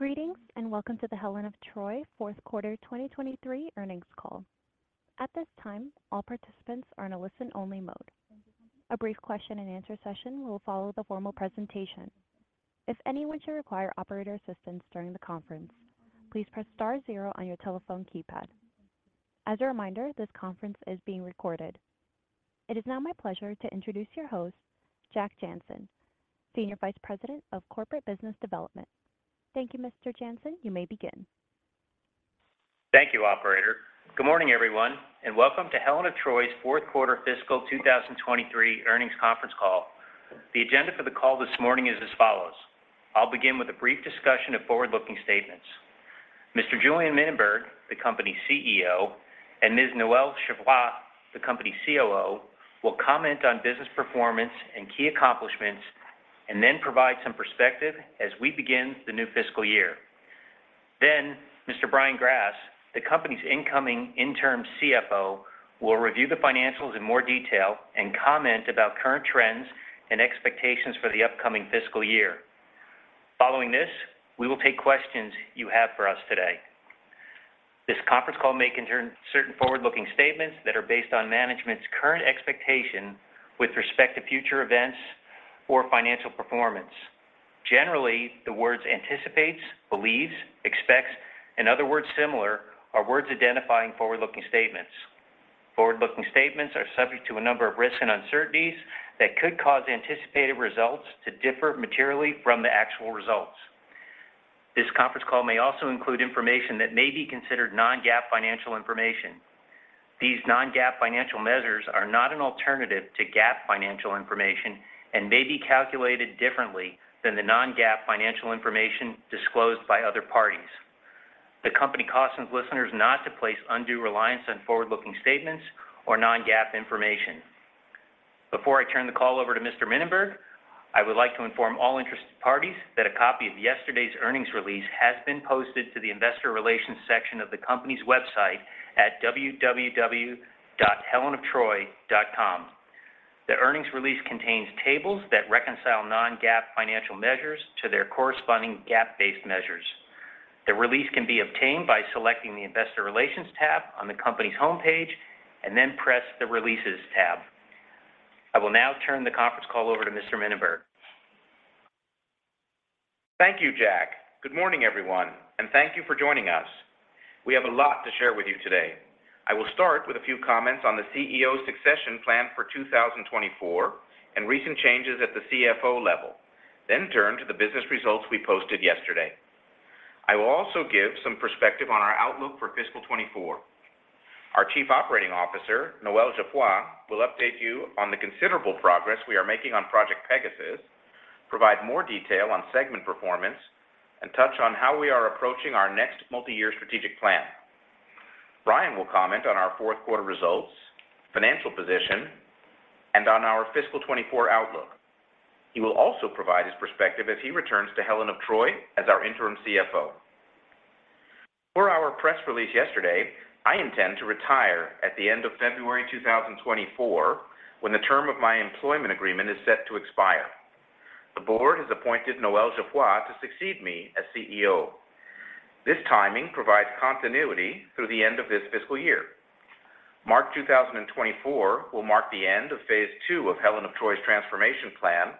Greetings, welcome to the Helen of Troy fourth quarter 2023 earnings call. At this time, all participants are in a listen-only mode. A brief question and answer session will follow the formal presentation. If anyone should require operator assistance during the conference, please press star zero on your telephone keypad. As a reminder, this conference is being recorded. It is now my pleasure to introduce your host, Jack Jancin, Senior Vice President of Corporate Business Development. Thank you, Mr. Jancin. You may begin. Thank you, operator. Good morning, everyone, and welcome to Helen of Troy's Fourth Quarter Fiscal 2023 Earnings Conference call. The agenda for the call this morning is as follows. I'll begin with a brief discussion of forward-looking statements. Mr. Julien Mininberg, the company's CEO, and Ms. Noel Geoffroy, the company's COO, will comment on business performance and key accomplishments and then provide some perspective as we begin the new fiscal year. Mr. Brian Grass, the company's incoming interim CFO, will review the financials in more detail and comment about current trends and expectations for the upcoming fiscal year. Following this, we will take questions you have for us today. This conference call may concern certain forward-looking statements that are based on management's current expectation with respect to future events or financial performance. Generally, the words anticipates, believes, expects, and other words similar are words identifying forward-looking statements. Forward-looking statements are subject to a number of risks and uncertainties that could cause anticipated results to differ materially from the actual results. This conference call may also include information that may be considered non-GAAP financial information. These non-GAAP financial measures are not an alternative to GAAP financial information and may be calculated differently than the non-GAAP financial information disclosed by other parties. The company cautions listeners not to place undue reliance on forward-looking statements or non-GAAP information. Before I turn the call over to Mr. Mininberg, I would like to inform all interested parties that a copy of yesterday's earnings release has been posted to the investor relations section of the company's website at www.helenoftroy.com. The earnings release contains tables that reconcile non-GAAP financial measures to their corresponding GAAP-based measures. The release can be obtained by selecting the Investor Relations tab on the company's homepage and then press the Releases tab. I will now turn the conference call over to Mr. Mininberg. Thank you, Jack. Good morning, everyone, and thank you for joining us. We have a lot to share with you today. I will start with a few comments on the CEO succession plan for 2024 and recent changes at the CFO level, then turn to the business results we posted yesterday. I will also give some perspective on our outlook for fiscal 2024. Our Chief Operating Officer, Noel Geoffroy, will update you on the considerable progress we are making on Project Pegasus, provide more detail on segment performance, and touch on how we are approaching our next multi-year strategic plan. Brian will comment on our fourth quarter results, financial position, and on our fiscal 2024 outlook. He will also provide his perspective as he returns to Helen of Troy as our interim CFO. For our press release yesterday, I intend to retire at the end of February 2024, when the term of my employment agreement is set to expire. The board has appointed Noel Geoffroy to succeed me as CEO. This timing provides continuity through the end of this fiscal year. March 2024 will mark the end of phase II of Helen of Troy's transformation plan,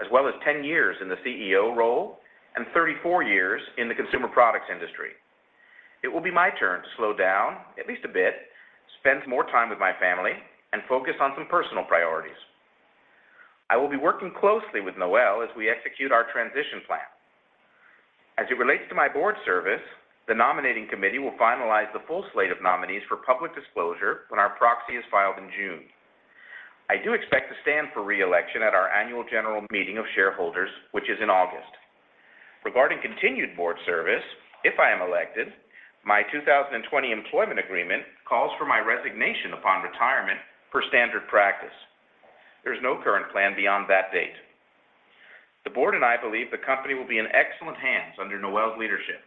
as well as 10 years in the CEO role and 34 years in the consumer products industry. It will be my turn to slow down at least a bit, spend more time with my family, and focus on some personal priorities. I will be working closely with Noel as we execute our transition plan. As it relates to my board service, the nominating committee will finalize the full slate of nominees for public disclosure when our proxy is filed in June. I do expect to stand for re-election at our annual general meeting of shareholders, which is in August. Regarding continued board service, if I am elected, my 2020 employment agreement calls for my resignation upon retirement per standard practice. There is no current plan beyond that date. The board and I believe the company will be in excellent hands under Noel's leadership.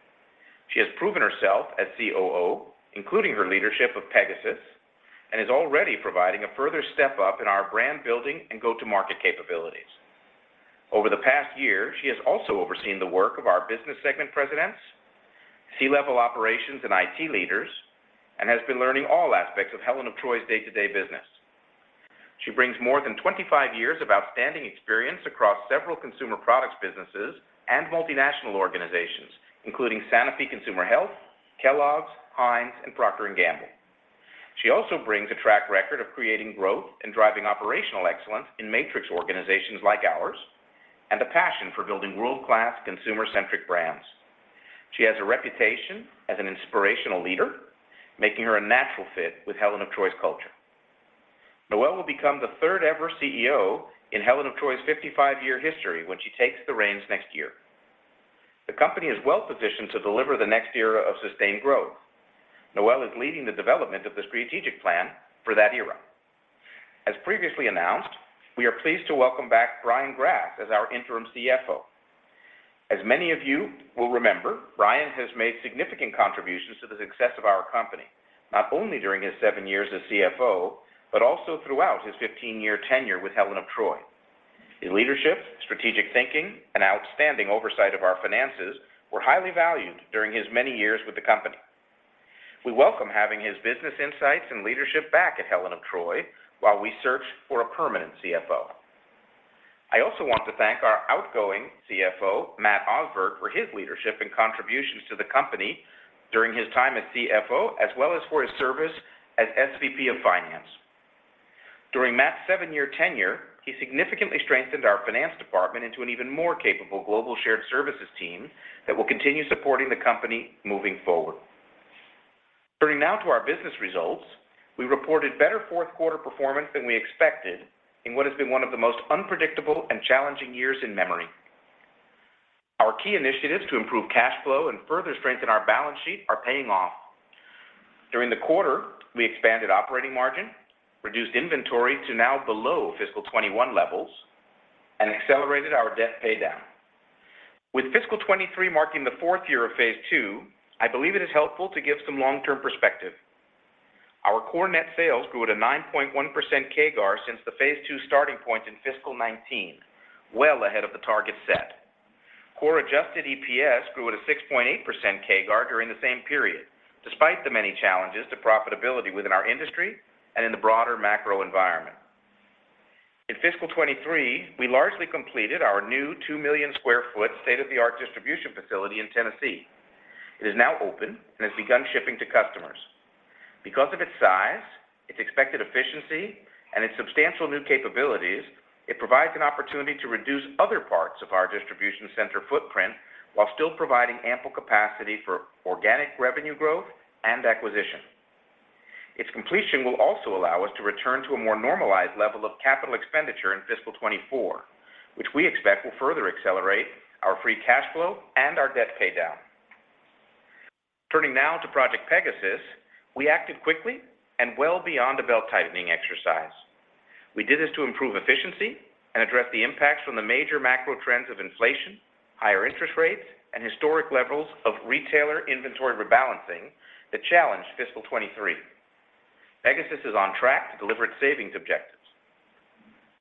She has proven herself as COO, including her leadership of Pegasus, and is already providing a further step up in our brand building and go-to-market capabilities. Over the past year, she has also overseen the work of our business segment presidents, C-level operations and IT leaders, and has been learning all aspects of Helen of Troy's day-to-day business. She brings more than 25 years of outstanding experience across several consumer products businesses and multinational organizations, including Sanofi Consumer Healthcare, Kellogg's, Heinz, and Procter & Gamble. She also brings a track record of creating growth and driving operational excellence in matrix organizations like ours and a passion for building world-class consumer-centric brands. She has a reputation as an inspirational leader, making her a natural fit with Helen of Troy's culture. Noel will become the third-ever CEO in Helen of Troy's 55-year history when she takes the reins next year. The company is well-positioned to deliver the next era of sustained growth. Noel is leading the development of the strategic plan for that era. As previously announced, we are pleased to welcome back Brian Grass as our interim CFO. As many of you will remember, Brian has made significant contributions to the success of our company, not only during his 7 years as CFO, but also throughout his 15-year tenure with Helen of Troy. His leadership, strategic thinking, and outstanding oversight of our finances were highly valued during his many years with the company. We welcome having his business insights and leadership back at Helen of Troy while we search for a permanent CFO. I also want to thank our outgoing CFO, Matt Osberg, for his leadership and contributions to the company during his time as CFO, as well as for his service as SVP of Finance. During Matt's 7-year tenure, he significantly strengthened our finance department into an even more capable global shared services team that will continue supporting the company moving forward. Turning now to our business results, we reported better 4th quarter performance than we expected in what has been one of the most unpredictable and challenging years in memory. Our key initiatives to improve cash flow and further strengthen our balance sheet are paying off. During the quarter, we expanded operating margin, reduced inventory to now below fiscal 2021 levels, and accelerated our debt paydown. With fiscal 2023 marking the 4th year of phase II, I believe it is helpful to give some long-term perspective. Our core net sales grew at a 9.1% CAGR since the phase II starting point in fiscal 2019, well ahead of the target set. Core adjusted EPS grew at a 6.8% CAGR during the same period, despite the many challenges to profitability within our industry and in the broader macro environment. In fiscal 2023, we largely completed our new 2 million sq ft state-of-the-art distribution facility in Tennessee. It is now open and has begun shipping to customers. Of its size, its expected efficiency, and its substantial new capabilities, it provides an opportunity to reduce other parts of our distribution center footprint while still providing ample capacity for organic revenue growth and acquisition. Its completion will also allow us to return to a more normalized level of CapEx in fiscal 2024, which we expect will further accelerate our free cash flow and our debt paydown. Turning now to Project Pegasus, we acted quickly and well beyond a belt-tightening exercise. We did this to improve efficiency and address the impacts from the major macro trends of inflation, higher interest rates, and historic levels of retailer inventory rebalancing that challenged fiscal 2023. Pegasus is on track to deliver its savings objectives.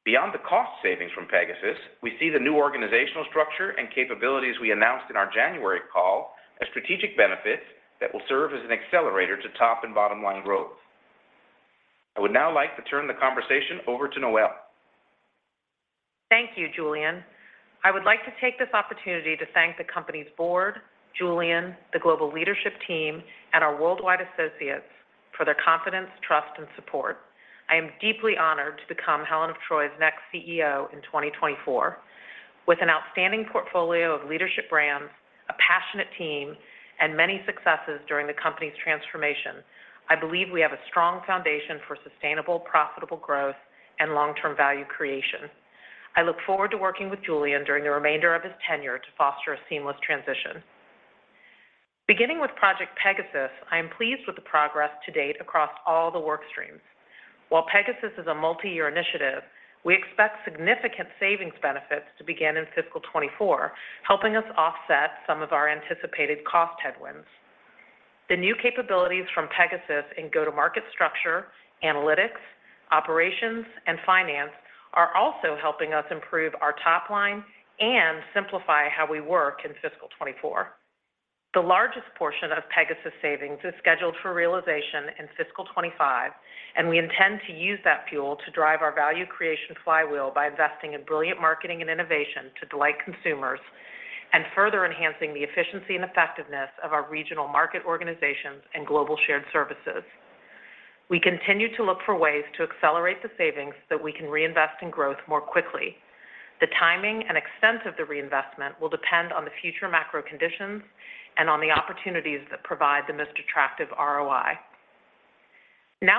Beyond the cost savings from Pegasus, we see the new organizational structure and capabilities we announced in our January call as strategic benefits that will serve as an accelerator to top and bottom line growth. I would now like to turn the conversation over to Noel. Thank you, Julien. I would like to take this opportunity to thank the company's board, Julien, the global leadership team, and our worldwide associates for their confidence, trust, and support. I am deeply honored to become Helen of Troy's next CEO in 2024. With an outstanding portfolio of leadership brands, a passionate team, and many successes during the company's transformation, I believe we have a strong foundation for sustainable, profitable growth and long-term value creation. I look forward to working with Julien during the remainder of his tenure to foster a seamless transition. Beginning with Project Pegasus, I am pleased with the progress to date across all the work streams. While Pegasus is a multi-year initiative, we expect significant savings benefits to begin in fiscal 2024, helping us offset some of our anticipated cost headwinds. The new capabilities from Pegasus in go-to-market structure, analytics, operations, and finance are also helping us improve our top line and simplify how we work in fiscal 2024. The largest portion of Pegasus savings is scheduled for realization in fiscal 2025, and we intend to use that fuel to drive our value creation flywheel by investing in brilliant marketing and innovation to delight consumers and further enhancing the efficiency and effectiveness of our regional market organizations and global shared services. We continue to look for ways to accelerate the savings that we can reinvest in growth more quickly. The timing and extent of the reinvestment will depend on the future macro conditions and on the opportunities that provide the most attractive ROI.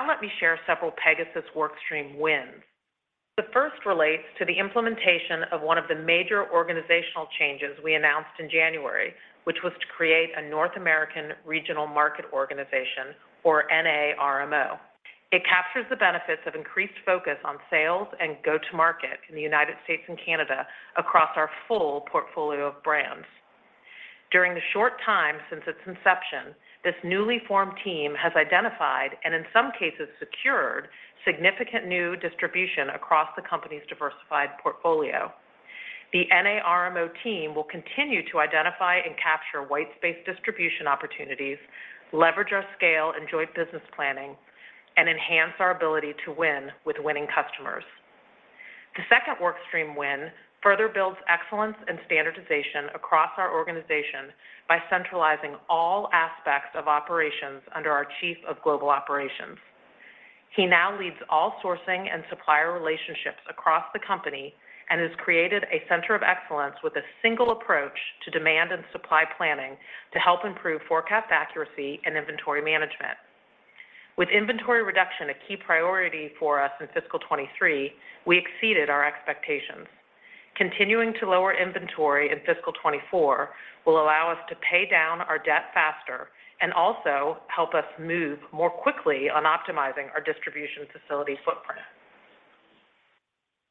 Let me share several Pegasus workstream wins. The first relates to the implementation of one of the major organizational changes we announced in January, which was to create a North American Regional Market Organization, or NARMO. It captures the benefits of increased focus on sales and go-to-market in the United States and Canada across our full portfolio of brands. During the short time since its inception, this newly formed team has identified and in some cases secured significant new distribution across the company's diversified portfolio. The NARMO team will continue to identify and capture white space distribution opportunities, leverage our scale and joint business planning, and enhance our ability to win with winning customers. The second workstream win further builds excellence and standardization across our organization by centralizing all aspects of operations under our Chief of Global Operations. He now leads all sourcing and supplier relationships across the company and has created a center of excellence with a single approach to demand and supply planning to help improve forecast accuracy and inventory management. With inventory reduction a key priority for us in fiscal 2023, we exceeded our expectations. Continuing to lower inventory in fiscal 2024 will allow us to pay down our debt faster and also help us move more quickly on optimizing our distribution facility footprint.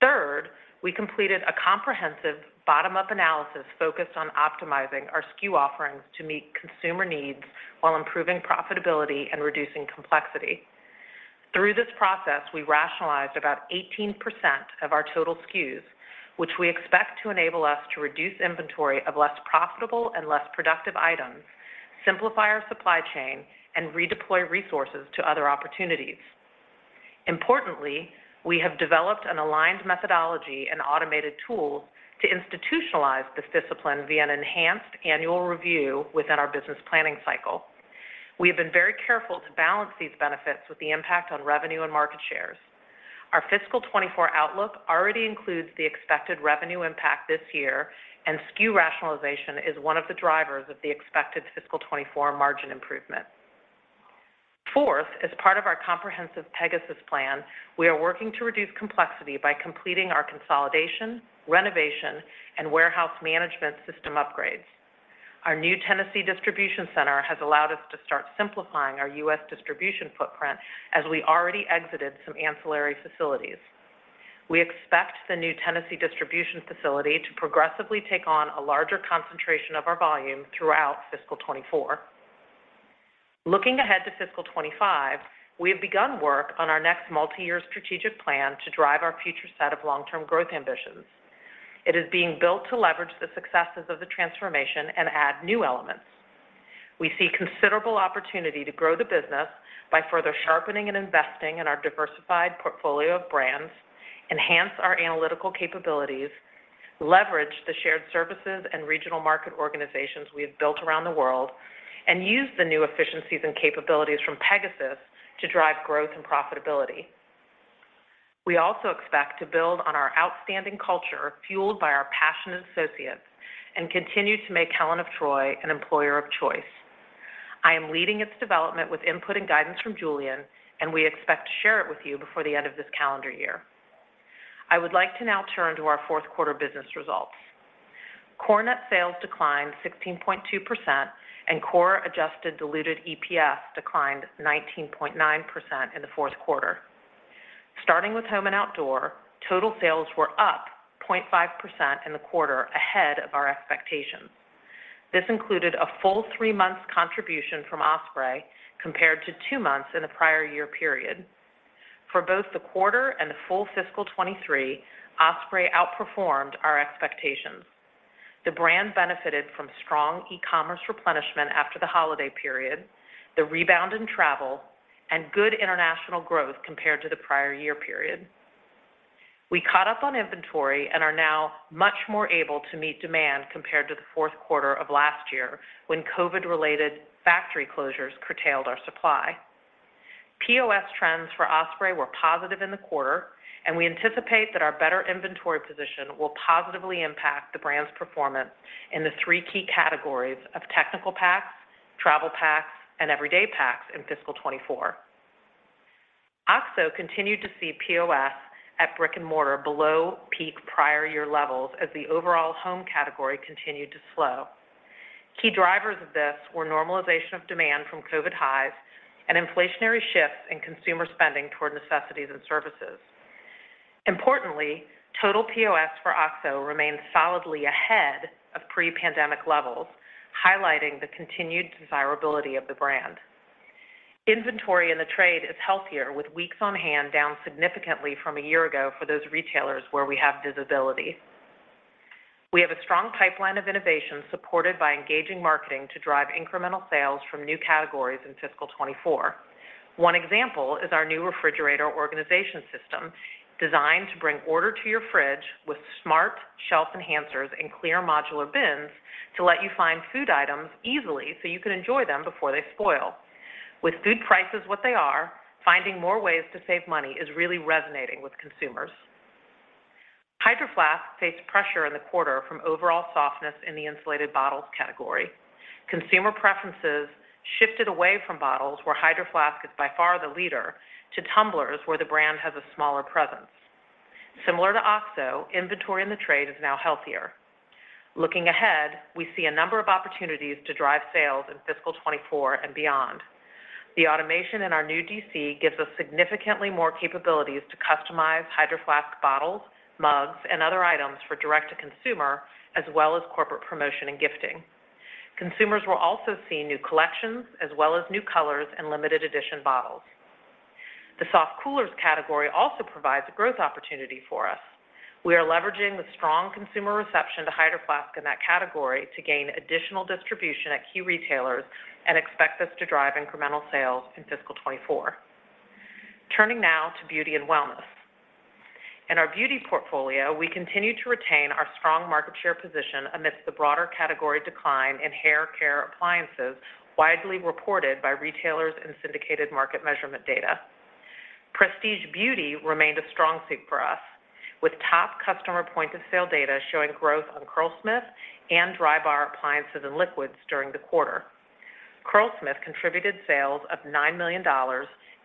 Third, we completed a comprehensive bottom-up analysis focused on optimizing our SKU offerings to meet consumer needs while improving profitability and reducing complexity. Through this process, we rationalized about 18% of our total SKUs, which we expect to enable us to reduce inventory of less profitable and less productive items, simplify our supply chain, and redeploy resources to other opportunities. Importantly, we have developed an aligned methodology and automated tool to institutionalize this discipline via an enhanced annual review within our business planning cycle. We have been very careful to balance these benefits with the impact on revenue and market shares. Our fiscal 2024 outlook already includes the expected revenue impact this year, and SKU rationalization is one of the drivers of the expected fiscal 2024 margin improvement. Fourth, as part of our comprehensive Pegasus plan, we are working to reduce complexity by completing our consolidation, renovation, and warehouse management system upgrades. Our new Tennessee distribution center has allowed us to start simplifying our U.S. distribution footprint as we already exited some ancillary facilities. We expect the new Tennessee distribution facility to progressively take on a larger concentration of our volume throughout fiscal 2024. Looking ahead to fiscal 2025, we have begun work on our next multi-year strategic plan to drive our future set of long-term growth ambitions. It is being built to leverage the successes of the transformation and add new elements. We see considerable opportunity to grow the business by further sharpening and investing in our diversified portfolio of brands, enhance our analytical capabilities, leverage the shared services and regional market organizations we have built around the world, and use the new efficiencies and capabilities from Pegasus to drive growth and profitability. We also expect to build on our outstanding culture, fueled by our passionate associates, and continue to make Helen of Troy an employer of choice. I am leading its development with input and guidance from Julien, and we expect to share it with you before the end of this calendar year. I would like to now turn to our fourth quarter business results. Core net sales declined 16.2%, and core adjusted diluted EPS declined 19.9% in the fourth quarter. Starting with home and outdoor, total sales were up 0.5% in the quarter ahead of our expectations. This included a full three months contribution from Osprey compared to two months in the prior year period. For both the quarter and the full fiscal 2023, Osprey outperformed our expectations. The brand benefited from strong e-commerce replenishment after the holiday period, the rebound in travel, and good international growth compared to the prior year period. We caught up on inventory and are now much more able to meet demand compared to the fourth quarter of last year when COVID-related factory closures curtailed our supply. POS trends for Osprey were positive in the quarter. We anticipate that our better inventory position will positively impact the brand's performance in the three key categories of technical packs, travel packs, and everyday packs in fiscal 2024. OXO continued to see POS at brick-and-mortar below peak prior year levels as the overall home category continued to slow. Key drivers of this were normalization of demand from COVID highs and inflationary shifts in consumer spending toward necessities and services. Importantly, total POS for OXO remains solidly ahead of pre-pandemic levels, highlighting the continued desirability of the brand. Inventory in the trade is healthier with weeks on hand down significantly from a year ago for those retailers where we have visibility. We have a strong pipeline of innovation supported by engaging marketing to drive incremental sales from new categories in fiscal 2024. One example is our new refrigerator organization system designed to bring order to your fridge with smart shelf enhancers and clear modular bins to let you find food items easily so you can enjoy them before they spoil. With food prices what they are, finding more ways to save money is really resonating with consumers. Hydro Flask faced pressure in the quarter from overall softness in the insulated bottles category. Consumer preferences shifted away from bottles where Hydro Flask is by far the leader to tumblers, where the brand has a smaller presence. Similar to OXO, inventory in the trade is now healthier. Looking ahead, we see a number of opportunities to drive sales in fiscal 2024 and beyond. The automation in our new DC gives us significantly more capabilities to customize Hydro Flask bottles, mugs, and other items for direct-to-consumer, as well as corporate promotion and gifting. Consumers will also see new collections as well as new colors and limited edition bottles. The soft coolers category also provides a growth opportunity for us. We are leveraging the strong consumer reception to Hydro Flask in that category to gain additional distribution at key retailers and expect this to drive incremental sales in fiscal 2024. Turning now to beauty and wellness. In our beauty portfolio, we continue to retain our strong market share position amidst the broader category decline in hair care appliances, widely reported by retailers and syndicated market measurement data. Prestige beauty remained a strong suit for us, with top customer point of sale data showing growth on Curlsmith and Drybar appliances and liquids during the quarter. Curlsmith contributed sales of $9 million,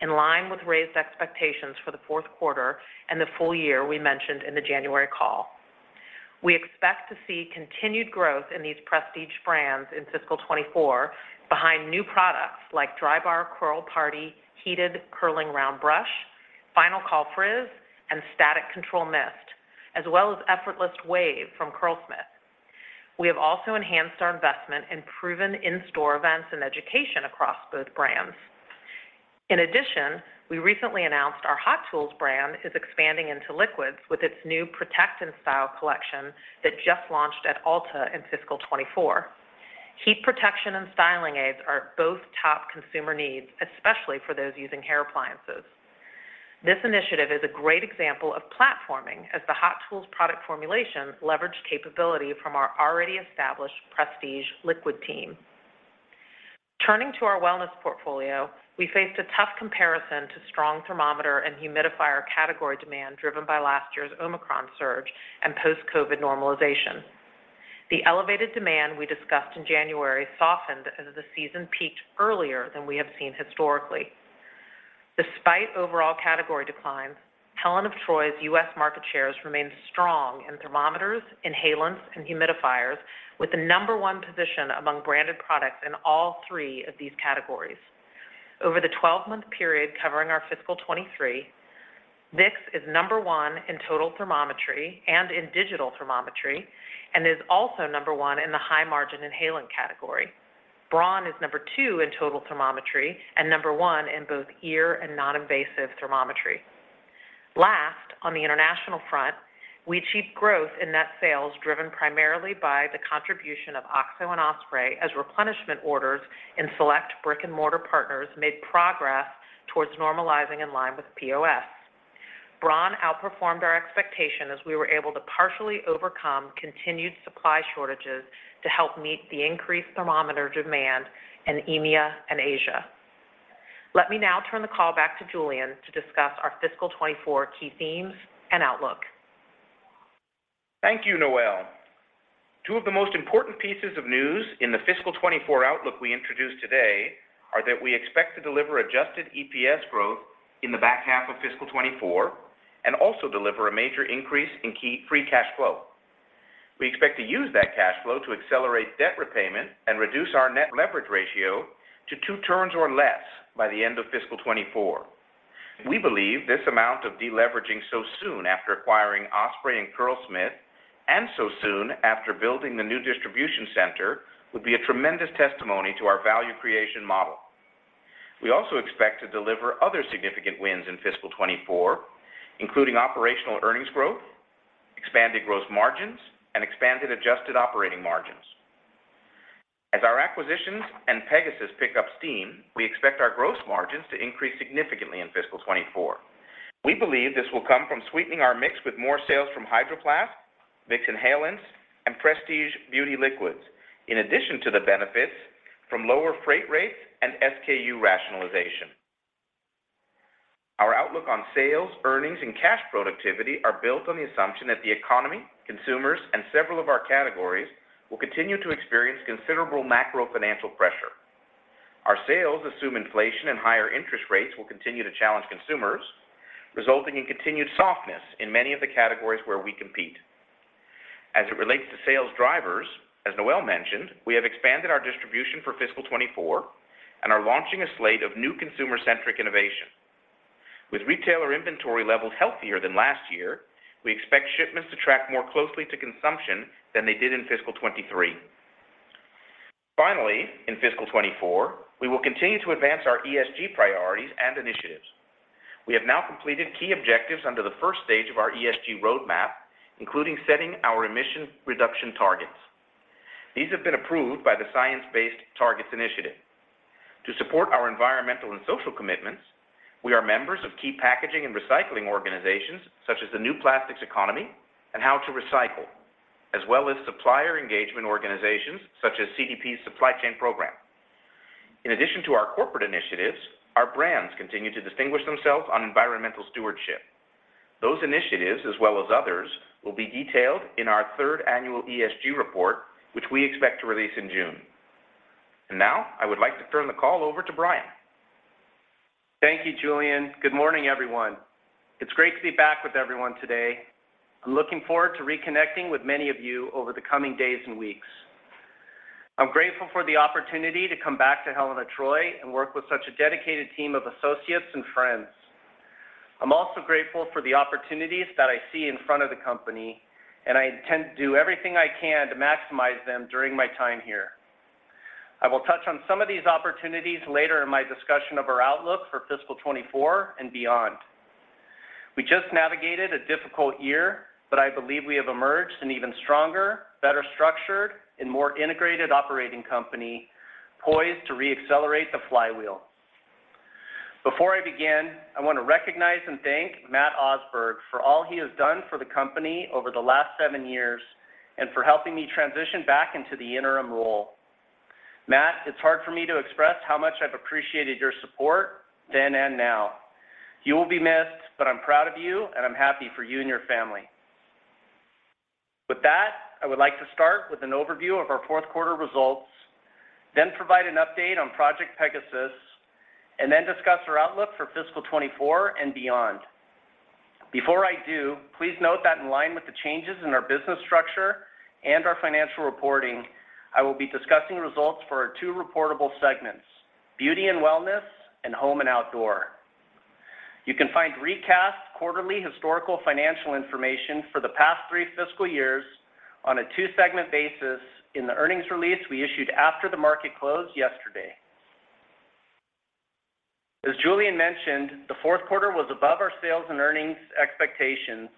in line with raised expectations for the fourth quarter and the full year we mentioned in the January call. We expect to see continued growth in these prestige brands in fiscal 2024 behind new products like Drybar Curl Party Heated Curling Round Brush, Frizz and Static Control Mist, as well as Effortless Waves from Curlsmith. We have also enhanced our investment in proven in-store events and education across both brands. We recently announced our Hot Tools brand is expanding into liquids with its new Protect and Style collection that just launched at Ulta in fiscal 2024. Heat protection and styling aids are both top consumer needs, especially for those using hair appliances. This initiative is a great example of platforming as the Hot Tools product formulations leverage capability from our already established Prestige Liquid team. Turning to our wellness portfolio, we faced a tough comparison to strong thermometer and humidifier category demand driven by last year's Omicron surge and post-COVID normalization. The elevated demand we discussed in January softened as the season peaked earlier than we have seen historically. Despite overall category declines, Helen of Troy's U.S. market shares remained strong in thermometers, inhalants, and humidifiers, with the number one position among branded products in all three of these categories. Over the 12-month period covering our fiscal 2023, Vicks is number one in total thermometry and in digital thermometry, and is also number one in the high-margin inhalant category. Braun is number two in total thermometry and number one in both ear and non-invasive thermometry. Last, on the international front, we achieved growth in net sales driven primarily by the contribution of OXO and Osprey as replenishment orders in select brick-and-mortar partners made progress towards normalizing in line with POS. Braun outperformed our expectation as we were able to partially overcome continued supply shortages to help meet the increased thermometer demand in EMEA and Asia. Let me now turn the call back to Julien to discuss our fiscal 2024 key themes and outlook. Thank you, Noel. Two of the most important pieces of news in the fiscal 2024 outlook we introduced today are that we expect to deliver adjusted EPS growth in the back half of fiscal 2024 and also deliver a major increase in key free cash flow. We expect to use that cash flow to accelerate debt repayment and reduce our net leverage ratio to two turns or less by the end of fiscal 2024. We believe this amount of deleveraging so soon after acquiring Osprey and Curlsmith and so soon after building the new distribution center would be a tremendous testimony to our value creation model. We also expect to deliver other significant wins in fiscal 2024, including operational earnings growth, expanded gross margins, and expanded adjusted operating margins. As our acquisitions and Pegasus pick up steam, we expect our gross margins to increase significantly in fiscal 2024. We believe this will come from sweetening our mix with more sales from Hydro Flask, Vicks Inhalants, and Prestige Beauty Liquids, in addition to the benefits from lower freight rates and SKU rationalization. Our outlook on sales, earnings, and cash productivity are built on the assumption that the economy, consumers, and several of our categories will continue to experience considerable macrofinancial pressure. Our sales assume inflation and higher interest rates will continue to challenge consumers, resulting in continued softness in many of the categories where we compete. As it relates to sales drivers, as Noel mentioned, we have expanded our distribution for fiscal 2024 and are launching a slate of new consumer-centric innovation. With retailer inventory levels healthier than last year, we expect shipments to track more closely to consumption than they did in fiscal 2023. Finally, in fiscal 2024, we will continue to advance our ESG priorities and initiatives. We have now completed key objectives under the first stage of our ESG roadmap, including setting our emission reduction targets. These have been approved by the Science Based Targets initiative. To support our environmental and social commitments, we are members of key packaging and recycling organizations such as the New Plastics Economy and How2Recycle, as well as supplier engagement organizations such as CDP's Supply Chain Program. In addition to our corporate initiatives, our brands continue to distinguish themselves on environmental stewardship. Those initiatives, as well as others, will be detailed in our third annual ESG report, which we expect to release in June. Now, I would like to turn the call over to Brian. Thank you, Julien. Good morning, everyone. It's great to be back with everyone today. I'm looking forward to reconnecting with many of you over the coming days and weeks. I'm grateful for the opportunity to come back to Helen of Troy and work with such a dedicated team of associates and friends. I'm also grateful for the opportunities that I see in front of the company, and I intend to do everything I can to maximize them during my time here. I will touch on some of these opportunities later in my discussion of our outlook for fiscal 2024 and beyond. We just navigated a difficult year, but I believe we have emerged an even stronger, better structured, and more integrated operating company poised to re-accelerate the flywheel. Before I begin, I want to recognize and thank Matt Osberg for all he has done for the company over the last seven years and for helping me transition back into the interim role. Matt, it's hard for me to express how much I've appreciated your support then and now. You will be missed, but I'm proud of you, and I'm happy for you and your family. With that, I would like to start with an overview of our fourth quarter results, then provide an update on Project Pegasus, and then discuss our outlook for fiscal 2024 and beyond. Before I do, please note that in line with the changes in our business structure and our financial reporting, I will be discussing results for our two reportable segments, Beauty and Wellness and Home and Outdoor. You can find recast quarterly historical financial information for the past three fiscal years on a two-segment basis in the earnings release we issued after the market closed yesterday. As Julien mentioned, the fourth quarter was above our sales and earnings expectations,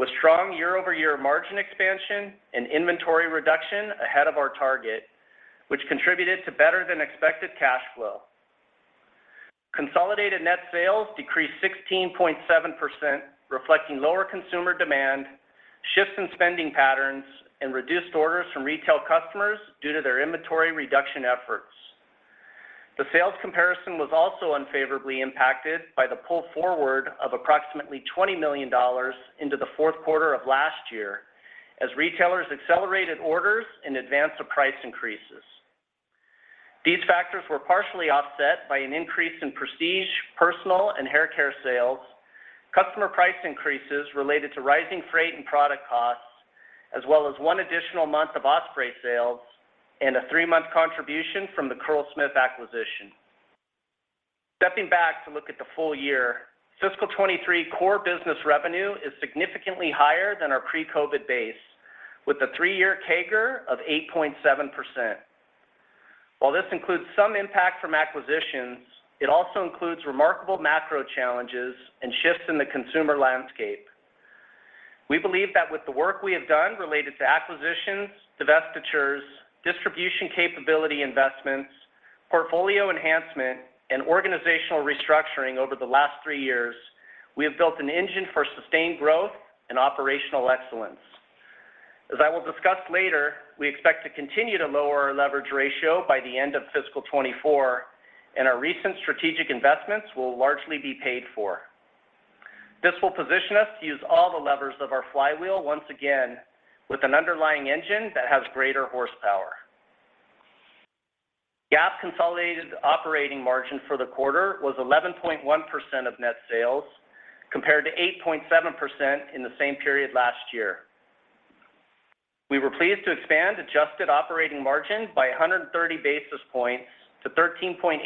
with strong year-over-year margin expansion and inventory reduction ahead of our target, which contributed to better-than-expected cash flow. Consolidated net sales decreased 16.7%, reflecting lower consumer demand, shifts in spending patterns, and reduced orders from retail customers due to their inventory reduction efforts. The sales comparison was also unfavorably impacted by the pull forward of approximately $20 million into the fourth quarter of last year as retailers accelerated orders in advance of price increases. These factors were partially offset by an increase in prestige, personal, and hair care sales, customer price increases related to rising freight and product costs, as well as 1 additional month of Osprey sales and a 3-month contribution from the Curlsmith acquisition. Stepping back to look at the full year, fiscal 2023 core business revenue is significantly higher than our pre-COVID base, with a 3-year CAGR of 8.7%. While this includes some impact from acquisitions, it also includes remarkable macro challenges and shifts in the consumer landscape. We believe that with the work we have done related to acquisitions, divestitures, distribution capability investments, portfolio enhancement, and organizational restructuring over the last 3 years, we have built an engine for sustained growth and operational excellence. As I will discuss later, we expect to continue to lower our leverage ratio by the end of fiscal 2024, and our recent strategic investments will largely be paid for. This will position us to use all the levers of our flywheel once again with an underlying engine that has greater horsepower. GAAP consolidated operating margin for the quarter was 11.1% of net sales, compared to 8.7% in the same period last year. We were pleased to expand adjusted operating margin by 130 basis points to 13.8%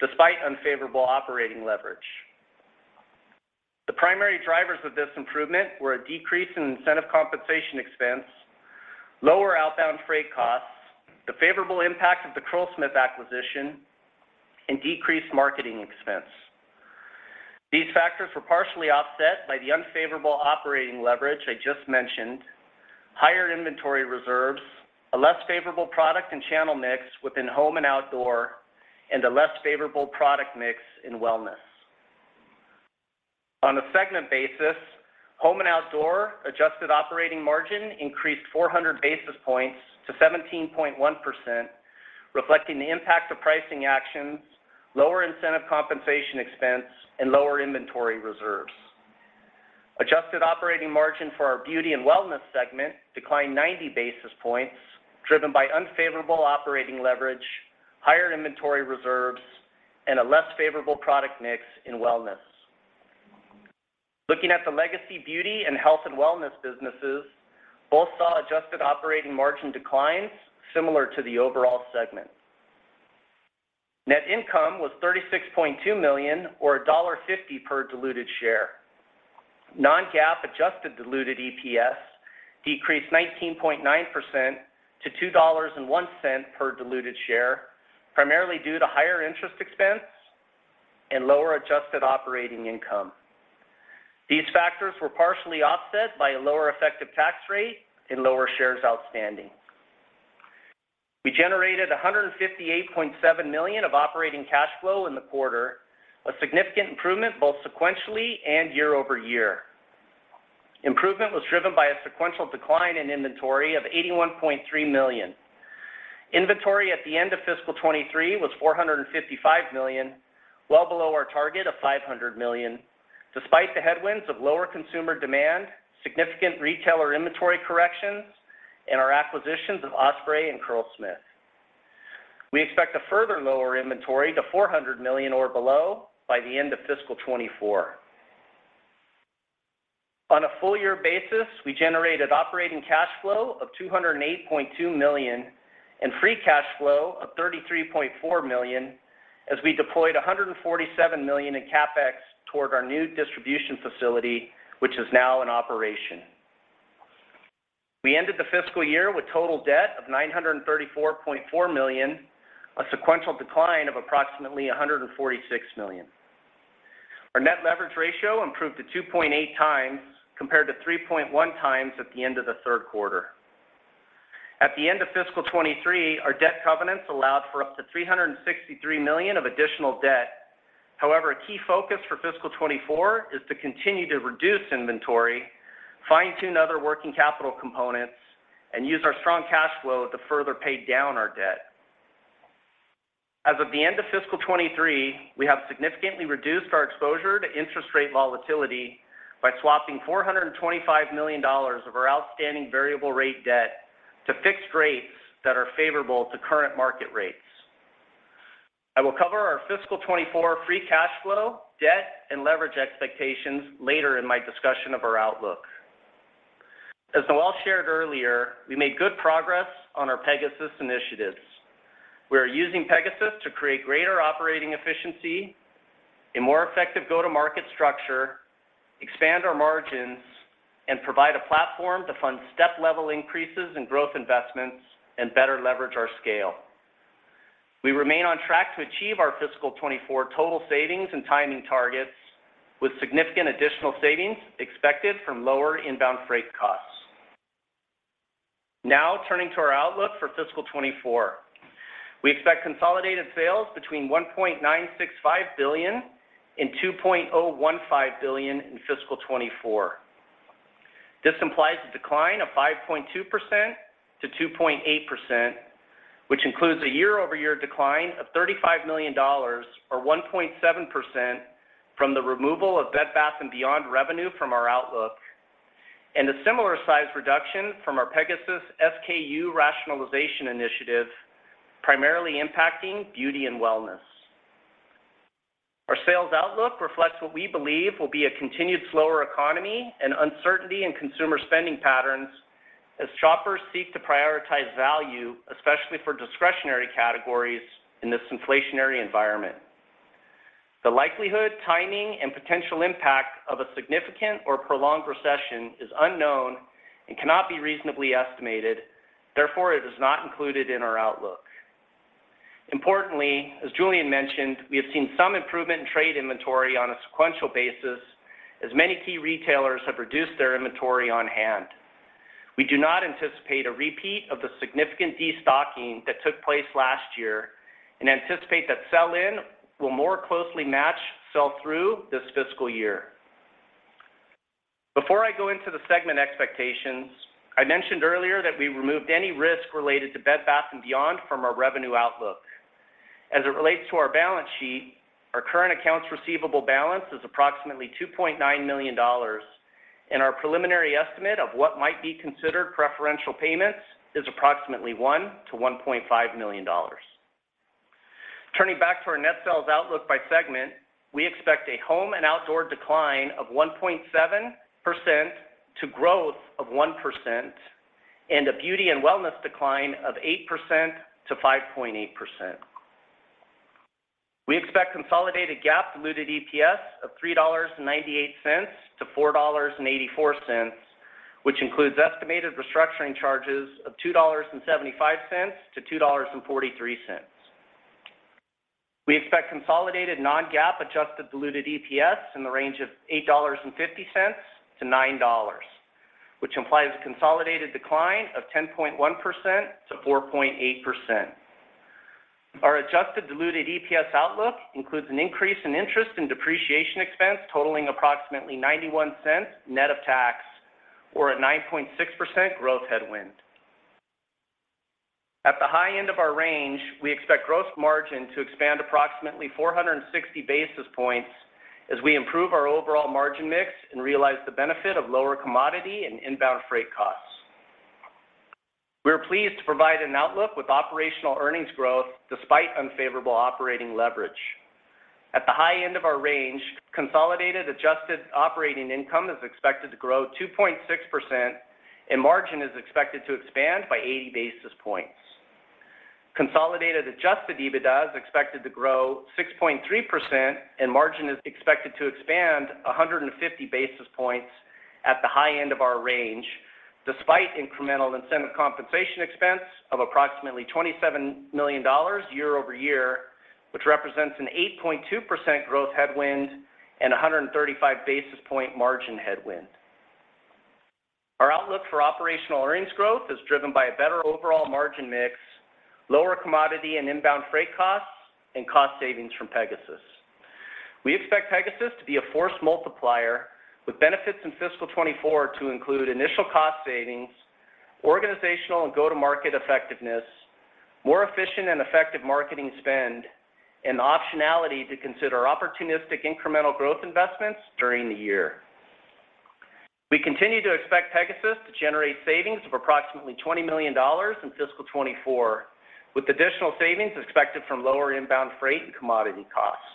despite unfavorable operating leverage. The primary drivers of this improvement were a decrease in incentive compensation expense, lower outbound freight costs, the favorable impact of the Curlsmith acquisition, and decreased marketing expense. These factors were partially offset by the unfavorable operating leverage I just mentioned, higher inventory reserves, a less favorable product and channel mix within home and outdoor, and a less favorable product mix in wellness. On a segment basis, home and outdoor adjusted operating margin increased 400 basis points to 17.1%, reflecting the impact of pricing actions, lower incentive compensation expense, and lower inventory reserves. Adjusted operating margin for our beauty and wellness segment declined 90 basis points, driven by unfavorable operating leverage, higher inventory reserves, and a less favorable product mix in wellness. Looking at the legacy beauty and health and wellness businesses, both saw adjusted operating margin declines similar to the overall segment. Net income was $36.2 million, or $1.50 per diluted share. Non-GAAP adjusted diluted EPS decreased 19.9% to $2.01 per diluted share, primarily due to higher interest expense and lower adjusted operating income. These factors were partially offset by a lower effective tax rate and lower shares outstanding. We generated $158.7 million of operating cash flow in the quarter, a significant improvement both sequentially and year-over-year. Improvement was driven by a sequential decline in inventory of $81.3 million. Inventory at the end of fiscal 2023 was $455 million, well below our target of $500 million, despite the headwinds of lower consumer demand, significant retailer inventory corrections, and our acquisitions of Osprey and Curlsmith. We expect to further lower inventory to $400 million or below by the end of fiscal 2024. On a full-year basis, we generated operating cash flow of $208.2 million and free cash flow of $33.4 million as we deployed $147 million in CapEx toward our new distribution facility, which is now in operation. We ended the fiscal year with total debt of $934.4 million, a sequential decline of approximately $146 million. Our net leverage ratio improved to 2.8x compared to 3.1x at the end of the third quarter. At the end of fiscal 2023, our debt covenants allowed for up to $363 million of additional debt. A key focus for fiscal 2024 is to continue to reduce inventory, fine-tune other working capital components, and use our strong cash flow to further pay down our debt. As of the end of fiscal 2023, we have significantly reduced our exposure to interest rate volatility by swapping $425 million of our outstanding variable rate debt to fixed rates that are favorable to current market rates. I will cover our fiscal 2024 free cash flow, debt, and leverage expectations later in my discussion of our outlook. As Noel Geoffroy shared earlier, we made good progress on our Pegasus initiatives. We are using Pegasus to create greater operating efficiency, a more effective go-to-market structure, expand our margins, and provide a platform to fund step level increases in growth investments and better leverage our scale. We remain on track to achieve our fiscal 2024 total savings and timing targets with significant additional savings expected from lower inbound freight costs. Turning to our outlook for fiscal 2024. We expect consolidated sales between $1.965 billion and $2.015 billion in fiscal 2024. This implies a decline of 5.2%-2.8%, which includes a year-over-year decline of $35 million or 1.7% from the removal of Bed Bath & Beyond revenue from our outlook and a similar size reduction from our Pegasus SKU rationalization initiative, primarily impacting beauty and wellness. Our sales outlook reflects what we believe will be a continued slower economy and uncertainty in consumer spending patterns as shoppers seek to prioritize value, especially for discretionary categories in this inflationary environment. The likelihood, timing, and potential impact of a significant or prolonged recession is unknown and cannot be reasonably estimated. Therefore, it is not included in our outlook. Importantly, as Julien mentioned, we have seen some improvement in trade inventory on a sequential basis as many key retailers have reduced their inventory on hand. We do not anticipate a repeat of the significant destocking that took place last year and anticipate that sell-in will more closely match sell-through this fiscal year. Before I go into the segment expectations, I mentioned earlier that we removed any risk related to Bed Bath & Beyond from our revenue outlook. As it relates to our balance sheet, our current accounts receivable balance is approximately $2.9 million, and our preliminary estimate of what might be considered preferential payments is approximately $1 million-$1.5 million. Turning back to our net sales outlook by segment, we expect a home and outdoor decline of 1.7% to growth of 1% and a beauty and wellness decline of 8% to 5.8%. We expect consolidated GAAP diluted EPS of $3.98 to $4.84, which includes estimated restructuring charges of $2.75 to $2.43. We expect consolidated non-GAAP adjusted diluted EPS in the range of $8.50 to $9.00, which implies a consolidated decline of 10.1% to 4.8%. Our adjusted diluted EPS outlook includes an increase in interest and depreciation expense totaling approximately $0.91 net of tax or a 9.6% growth headwind. At the high end of our range, we expect gross margin to expand approximately 460 basis points as we improve our overall margin mix and realize the benefit of lower commodity and inbound freight costs. We are pleased to provide an outlook with operational earnings growth despite unfavorable operating leverage. At the high end of our range, consolidated adjusted operating income is expected to grow 2.6% and margin is expected to expand by 80 basis points. Consolidated adjusted EBITDA is expected to grow 6.3% and margin is expected to expand 150 basis points at the high end of our range despite incremental incentive compensation expense of approximately $27 million year-over-year, which represents an 8.2% growth headwind and 135 basis point margin headwind. Our outlook for operational earnings growth is driven by a better overall margin mix, lower commodity and inbound freight costs, and cost savings from Pegasus. We expect Pegasus to be a force multiplier with benefits in fiscal 2024 to include initial cost savings, organizational and go-to-market effectiveness, more efficient and effective marketing spend, and the optionality to consider opportunistic incremental growth investments during the year. We continue to expect Pegasus to generate savings of approximately $20 million in fiscal 2024, with additional savings expected from lower inbound freight and commodity costs.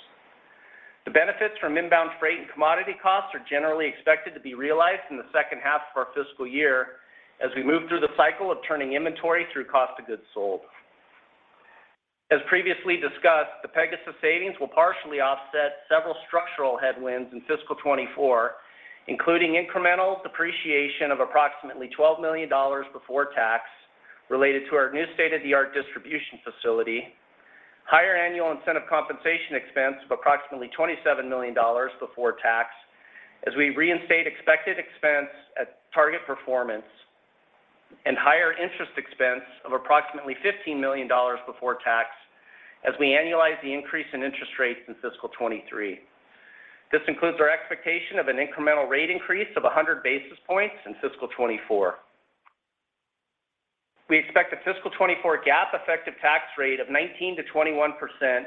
The benefits from inbound freight and commodity costs are generally expected to be realized in the second half of our fiscal year as we move through the cycle of turning inventory through cost of goods sold. As previously discussed, the Pegasus savings will partially offset several structural headwinds in fiscal 2024, including incremental depreciation of approximately $12 million before tax related to our new state-of-the-art distribution facility, higher annual incentive compensation expense of approximately $27 million before tax as we reinstate expected expense at target performance, and higher interest expense of approximately $15 million before tax as we annualize the increase in interest rates in fiscal 2023. This includes our expectation of an incremental rate increase of 100 basis points in fiscal 2024. We expect a fiscal 2024 GAAP effective tax rate of 19%-21%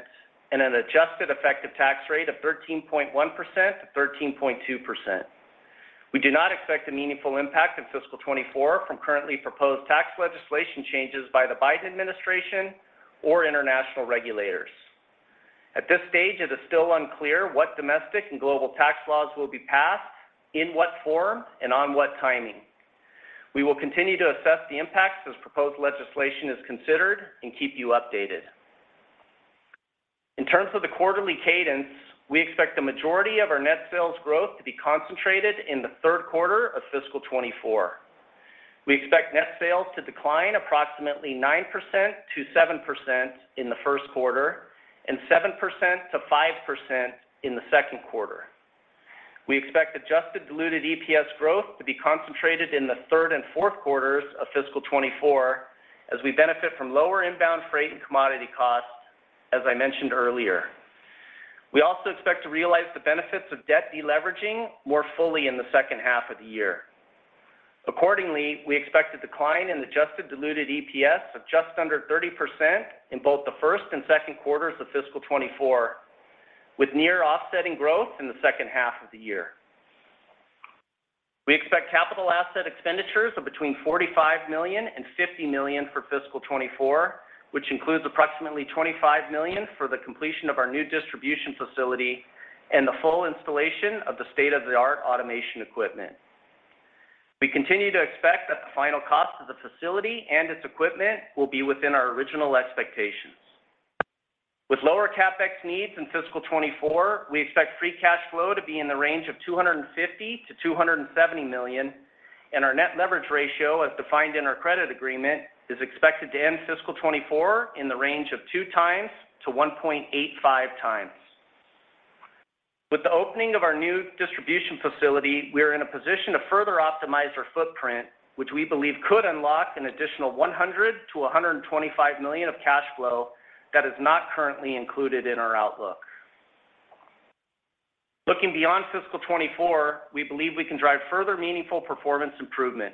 and an adjusted effective tax rate of 13.1%-13.2%. We do not expect a meaningful impact in fiscal 2024 from currently proposed tax legislation changes by the Biden administration or international regulators. At this stage, it is still unclear what domestic and global tax laws will be passed, in what form and on what timing. We will continue to assess the impacts as proposed legislation is considered and keep you updated. In terms of the quarterly cadence, we expect the majority of our net sales growth to be concentrated in the third quarter of fiscal 2024. We expect net sales to decline approximately 9%-7% in the first quarter and 7%-5% in the second quarter. We expect adjusted diluted EPS growth to be concentrated in the third and fourth quarters of fiscal 2024 as we benefit from lower inbound freight and commodity costs, as I mentioned earlier. We also expect to realize the benefits of debt deleveraging more fully in the second half of the year. Accordingly, we expect a decline in adjusted diluted EPS of just under 30% in both the first and second quarters of fiscal 2024, with near offsetting growth in the second half of the year. We expect capital asset expenditures of between $45 million and $50 million for fiscal 2024, which includes approximately $25 million for the completion of our new distribution facility and the full installation of the state-of-the-art automation equipment. We continue to expect that the final cost of the facility and its equipment will be within our original expectations. With lower CapEx needs in fiscal 2024, we expect free cash flow to be in the range of $250 million to $270 million, and our net leverage ratio as defined in our credit agreement, is expected to end fiscal 2024 in the range of 2x to 1.85x. With the opening of our new distribution facility, we are in a position to further optimize our footprint, which we believe could unlock an additional $100 million-$125 million of cash flow that is not currently included in our outlook. Looking beyond fiscal 2024, we believe we can drive further meaningful performance improvement.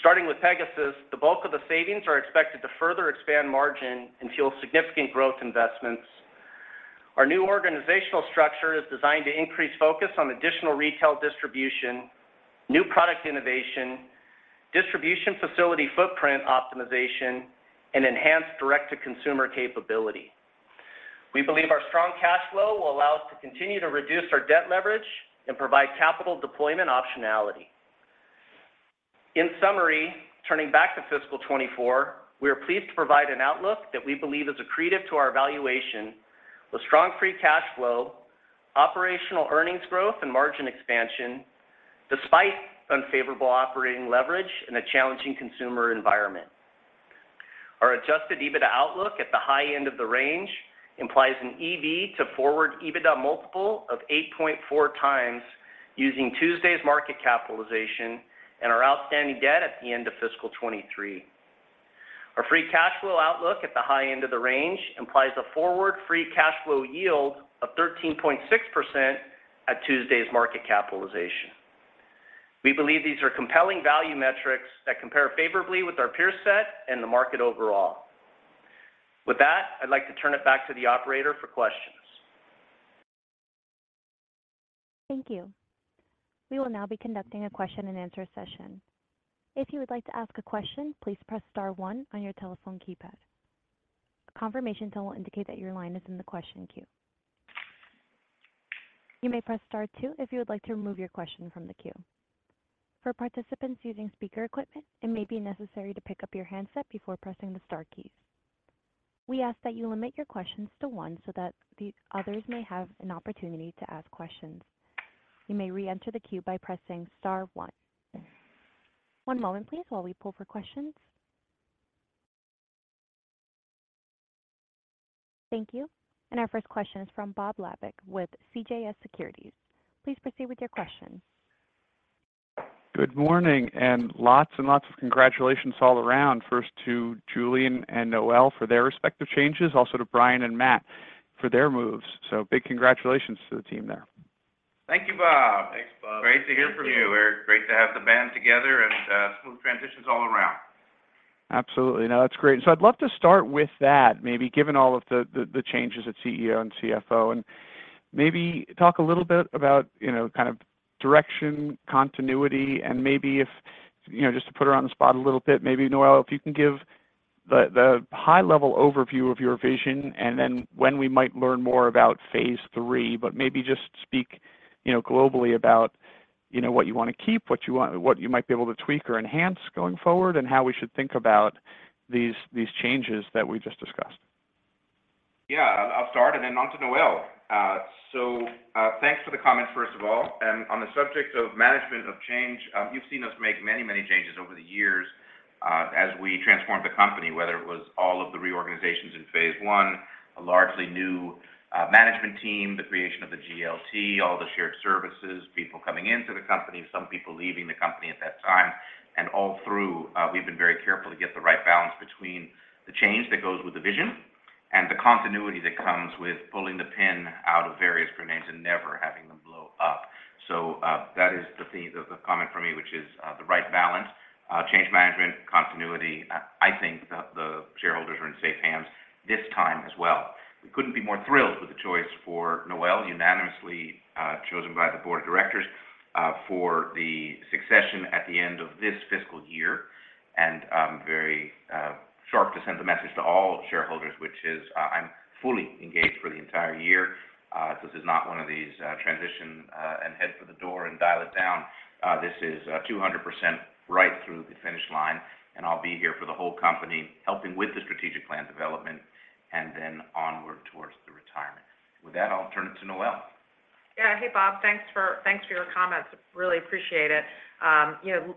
Starting with Pegasus, the bulk of the savings are expected to further expand margin and fuel significant growth investments. Our new organizational structure is designed to increase focus on additional retail distribution, new product innovation, distribution, facility footprint optimization, and enhanced direct-to-consumer capability. We believe our strong cash flow will allow us to continue to reduce our debt leverage and provide capital deployment optionality. In summary, turning back to fiscal 2024, we are pleased to provide an outlook that we believe is accretive to our valuation with strong free cash flow, operational earnings growth and margin expansion despite unfavorable operating leverage in a challenging consumer environment. Our adjusted EBITDA outlook at the high end of the range implies an EV to forward EBITDA multiple of 8.4x using Tuesday's market capitalization and our outstanding debt at the end of fiscal 2023. Our free cash flow outlook at the high end of the range implies a forward free cash flow yield of 13.6% at Tuesday's market capitalization. We believe these are compelling value metrics that compare favorably with our peer set and the market overall. With that, I'd like to turn it back to the operator for questions. Thank you. We will now be conducting a question and answer session. If you would like to ask a question, please press star one on your telephone keypad. A confirmation tone will indicate that your line is in the question queue. You may press star two if you would like to remove your question from the queue. For participants using speaker equipment, it may be necessary to pick up your handset before pressing the star keys. We ask that you limit your questions to one so that the others may have an opportunity to ask questions. You may re-enter the queue by pressing star one. One moment please while we pull for questions. Thank you. Our first question is from Bob Labick with CJS Securities. Please proceed with your question. Good morning and lots and lots of congratulations all around. First, to Julien and Noel for their respective changes. Also to Brian and Matt for their moves. Big congratulations to the team there. Thank you, Bob. Thanks, Bob. Great to hear from you, Eric. Great to have the band together and, smooth transitions all around. Absolutely. No, that's great. I'd love to start with that, maybe given all of the changes at CEO and CFO, and maybe talk a little bit about, you know, kind of direction, continuity, and maybe if, you know, just to put her on the spot a little bit, maybe Noel, if you can give the high level overview of your vision and then when we might learn more about phase three, but maybe just speak, you know, globally about, you know, what you wanna keep, what you might be able to tweak or enhance going forward, and how we should think about these changes that we just discussed. Yeah, I'll start and then on to Noel. Thanks for the comments first of all. On the subject of management of change, you've seen us make many, many changes over the years, as we transformed the company, whether it was all of the reorganizations in phase one, a largely new management team, the creation of the GLT, all the shared services, people coming into the company, some people leaving the company at that time. All through, we've been very careful to get the right balance between the change that goes with the vision and the continuity that comes with pulling the pin out of various grenades and never having them blow up. That is the theme of the con- Change management, continuity, I think the shareholders are in safe hands this time as well. We couldn't be more thrilled with the choice for Noel, unanimously chosen by the board of directors for the succession at the end of this fiscal year. I'm very sharp to send a message to all shareholders, which is, I'm fully engaged for the entire year. This is not one of these transition and head for the door and dial it down. This is 200% right through the finish line, and I'll be here for the whole company, helping with the strategic plan development and then onward towards the retirement. With that, I'll turn it to Noel. Yeah. Hey, Bob Labick. Thanks for your comments. Really appreciate it. You know,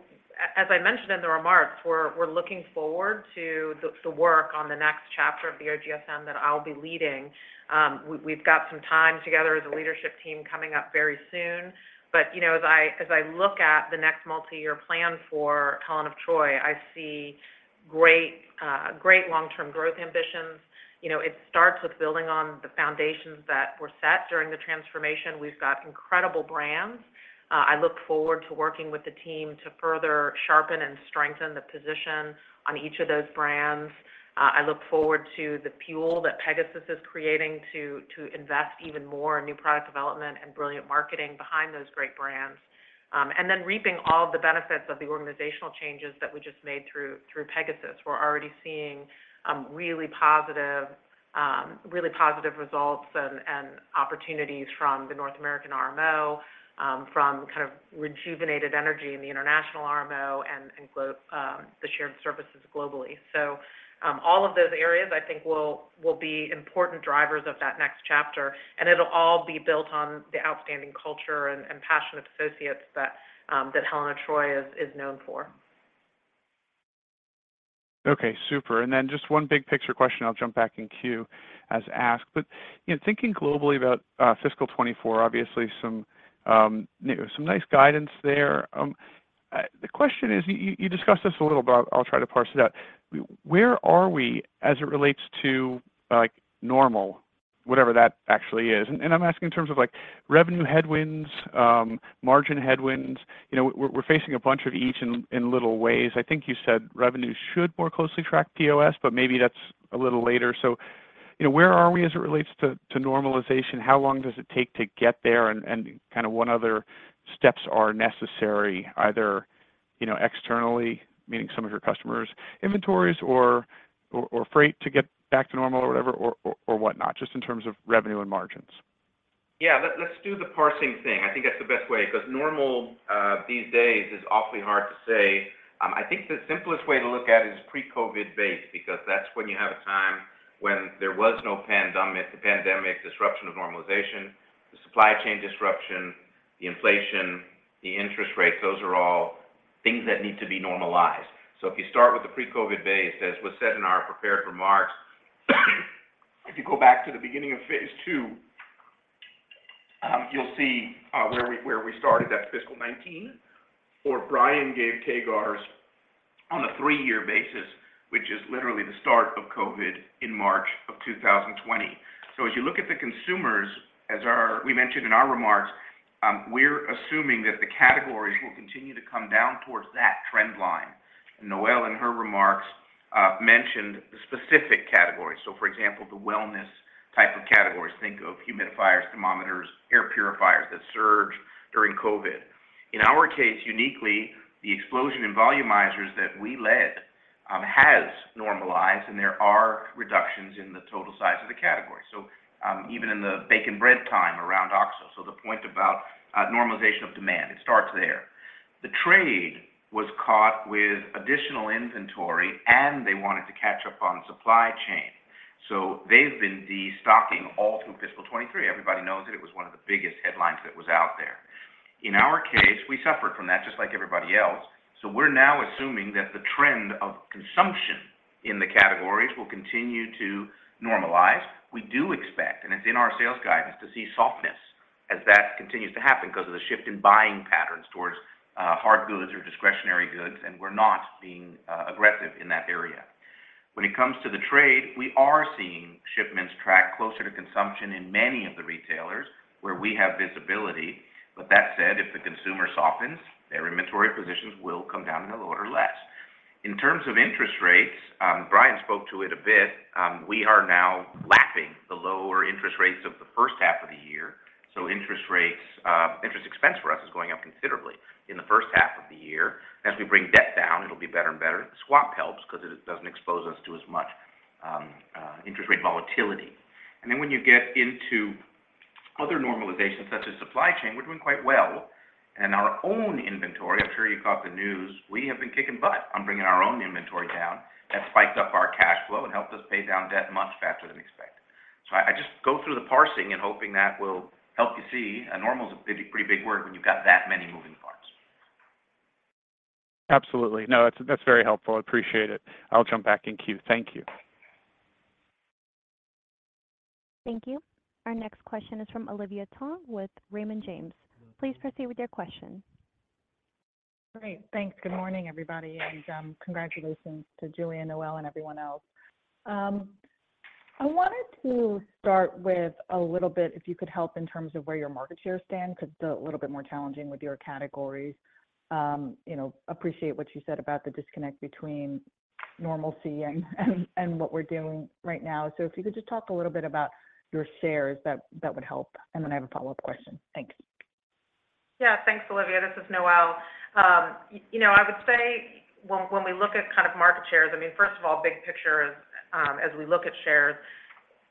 as I mentioned in the remarks, we're looking forward to the work on the next chapter of the OGSM that I'll be leading. We've got some time together as a leadership team coming up very soon. You know, as I look at the next multi-year plan for Helen of Troy, I see great long-term growth ambitions. You know, it starts with building on the foundations that were set during the transformation. We've got incredible brands. I look forward to working with the team to further sharpen and strengthen the position on each of those brands. I look forward to the fuel that Pegasus is creating to invest even more in new product development and brilliant marketing behind those great brands. Then reaping all the benefits of the organizational changes that we just made through Pegasus. We're already seeing really positive results and opportunities from the North American RMO, from kind of rejuvenated energy in the international RMO and the shared services globally. All of those areas, I think, will be important drivers of that next chapter, and it'll all be built on the outstanding culture and passionate associates that Helen of Troy is known for. Okay, super. Just one big picture question, I'll jump back in queue as asked. You know, thinking globally about fiscal 2024, obviously some, you know, some nice guidance there. The question is, you discussed this a little, I'll try to parse it out. Where are we as it relates to, like, normal, whatever that actually is? I'm asking in terms of, like, revenue headwinds, margin headwinds. You know, we're facing a bunch of each in little ways. I think you said revenue should more closely track POS, maybe that's a little later. You know, where are we as it relates to normalization? How long does it take to get there? Kind of what other steps are necessary, either, you know, externally, meaning some of your customers, inventories or freight to get back to normal or whatever, or whatnot, just in terms of revenue and margins. Yeah. Let's do the parsing thing. I think that's the best way because normal these days is awfully hard to say. I think the simplest way to look at it is pre-COVID base because that's when you have a time when there was no pandemic, the pandemic disruption of normalization, the supply chain disruption, the inflation, the interest rates, those are all things that need to be normalized. If you start with the pre-COVID base, as was said in our prepared remarks, if you go back to the beginning of phase two, you'll see where we started. That's fiscal 2019, Brian gave CAGRs on a three-year basis, which is literally the start of COVID in March of 2020. As you look at the consumers, as we mentioned in our remarks, we're assuming that the categories will continue to come down towards that trend line. Noel, in her remarks, mentioned the specific categories. For example, the wellness type of categories. Think of humidifiers, thermometers, air purifiers that surged during COVID. In our case, uniquely, the explosion in volumizers that we led, has normalized, and there are reductions in the total size of the category. Even in the base period time around OXO. The point about normalization of demand, it starts there. The trade was caught with additional inventory, and they wanted to catch up on supply chain. They've been destocking all through fiscal 2023. Everybody knows it. It was one of the biggest headlines that was out there. In our case, we suffered from that just like everybody else. We're now assuming that the trend of consumption in the categories will continue to normalize. We do expect, and it's in our sales guidance, to see softness as that continues to happen because of the shift in buying patterns towards hard goods or discretionary goods, and we're not being aggressive in that area. When it comes to the trade, we are seeing shipments track closer to consumption in many of the retailers where we have visibility. That said, if the consumer softens, their inventory positions will come down a little or less. In terms of interest rates, Brian spoke to it a bit. We are now lapping the lower interest rates of the first half of the year. Interest rates, interest expense for us is going up considerably in the first half of the year. As we bring debt down, it'll be better and better. Swap helps because it doesn't expose us to as much interest rate volatility. When you get into other normalizations such as supply chain, we're doing quite well. Our own inventory, I'm sure you caught the news, we have been kicking butt on bringing our own inventory down. That spiked up our cash flow and helped us pay down debt much faster than expected. I just go through the parsing and hoping that will help you see. Normal is a pretty big word when you've got that many moving parts. Absolutely. No, that's very helpful. I appreciate it. I'll jump back in queue. Thank you. Thank you. Our next question is from Olivia Tong with Raymond James. Please proceed with your question. Great. Thanks. Good morning, everybody, and congratulations to Julien, Noel, and everyone else. I wanted to start with a little bit, if you could help in terms of where your market share stand, because it's a little bit more challenging with your categories. You know, appreciate what you said about the disconnect between normalcy and what we're doing right now. If you could just talk a little bit about your shares, that would help. Then I have a follow-up question. Thanks. Yeah. Thanks, Olivia. This is Noel. You know, I would say when we look at kind of market shares, I mean, first of all, big picture is, as we look at shares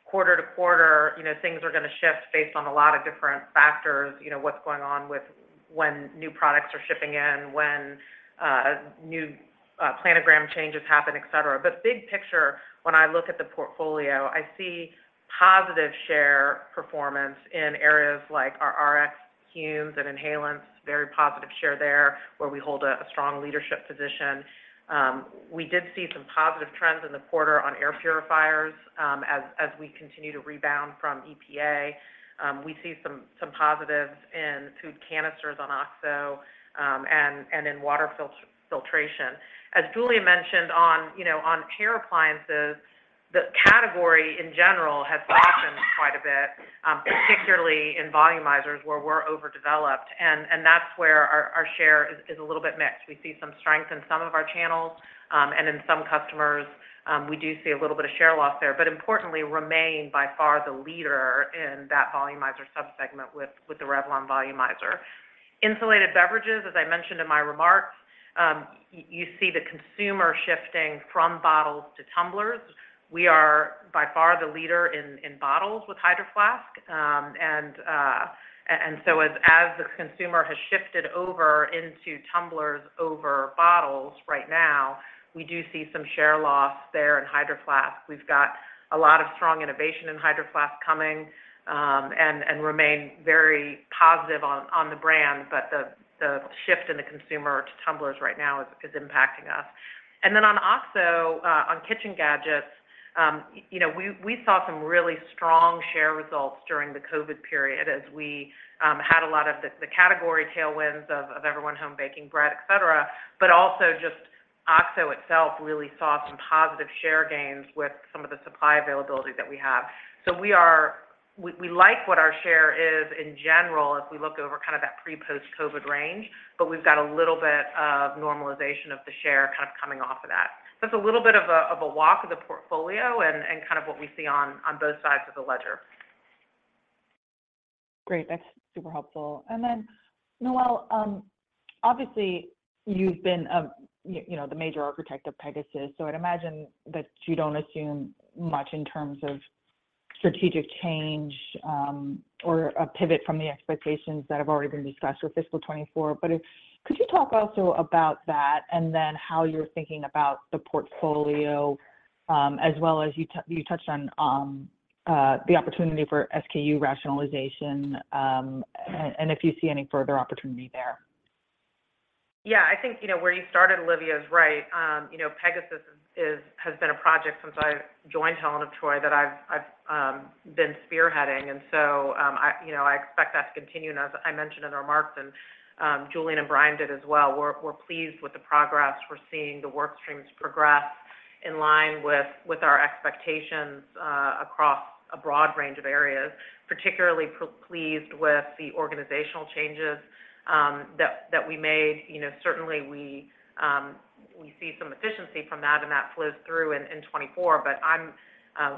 quarter to quarter, you know, things are gonna shift based on a lot of different factors, you know, what's going on with when new products are shipping in, when new planogram changes happen, et cetera. Big picture, when I look at the portfolio, I see positive share performance in areas like our Rx humes and inhalants, very positive share there, where we hold a strong leadership position. We did see some positive trends in the quarter on air purifiers, as we continue to rebound from EPA. We see some positives in food canisters on OXO, and in water filtration. As Julien mentioned on, you know, on care appliances, the category in general has softened quite a bit, particularly in volumizers, where we're overdeveloped. That's where our share is a little bit mixed. We see some strength in some of our channels, and in some customers, we do see a little bit of share loss there, but importantly, remain by far the leader in that volumizer sub-segment with the Revlon volumizer. Insulated beverages, as I mentioned in my remarks, you see the consumer shifting from bottles to tumblers. We are by far the leader in bottles with Hydro Flask. As the consumer has shifted over into tumblers over bottles right now, we do see some share loss there in Hydro Flask. We've got a lot of strong innovation in Hydro Flask coming, and remain very positive on the brand. The shift in the consumer to tumblers right now is impacting us. On OXO, on kitchen gadgets, you know, we saw some really strong share results during the COVID period as we had a lot of the category tailwinds of everyone home baking bread, et cetera. Also just OXO itself really saw some positive share gains with some of the supply availability that we have. We like what our share is in general as we look over kind of that pre-post-COVID range, but we've got a little bit of normalization of the share kind of coming off of that. It's a little bit of a walk of the portfolio and kind of what we see on both sides of the ledger. Great. That's super helpful. Noel, obviously, you've been, you know, the major architect of Pegasus, so I'd imagine that you don't assume much in terms of strategic change or a pivot from the expectations that have already been discussed with fiscal 2024. Could you talk also about that and then how you're thinking about the portfolio, as well as you touched on, the opportunity for SKU rationalization, and if you see any further opportunity there? Yeah. I think, you know, where you started, Olivia, is right. You know, Project Pegasus has been a project since I joined Helen of Troy that I've been spearheading. I, you know, I expect that to continue. As I mentioned in remarks, and Julien Mininberg and Brian Grass did as well, we're pleased with the progress. We're seeing the work streams progress in line with our expectations across a broad range of areas, particularly pleased with the organizational changes that we made. You know, certainly we see some efficiency from that, and that flows through in 2024. I'm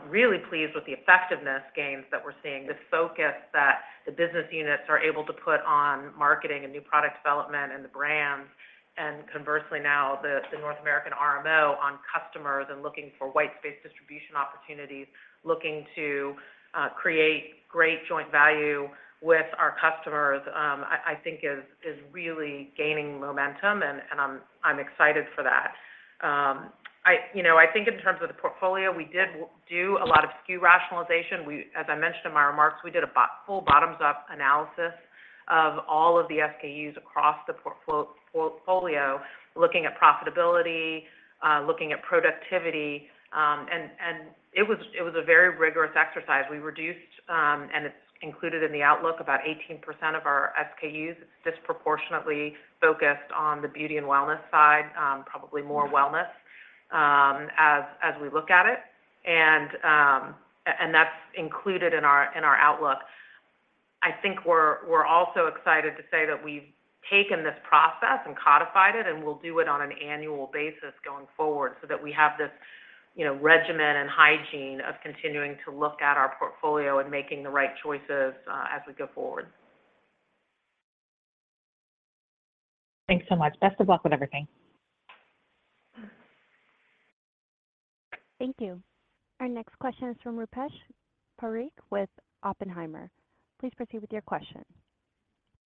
really pleased with the effectiveness gains that we're seeing, the focus that the business units are able to put on marketing and new product development and the brands. Conversely now, the North American RMO on customers and looking for white space distribution opportunities, looking to create great joint value with our customers, I think is really gaining momentum, and I'm excited for that. You know, I think in terms of the portfolio, we did do a lot of SKU rationalization. As I mentioned in my remarks, we did a full bottoms-up analysis of all of the SKUs across the portfolio, looking at profitability, looking at productivity, and it was a very rigorous exercise. We reduced, and it's included in the outlook, about 18% of our SKUs. It's disproportionately focused on the beauty and wellness side, probably more wellness, as we look at it. That's included in our outlook. I think we're also excited to say that we've taken this process and codified it, and we'll do it on an annual basis going forward so that we have this, you know, regimen and hygiene of continuing to look at our portfolio and making the right choices as we go forward. Thanks so much. Best of luck with everything. Thank you. Our next question is from Rupesh Parikh with Oppenheimer. Please proceed with your question.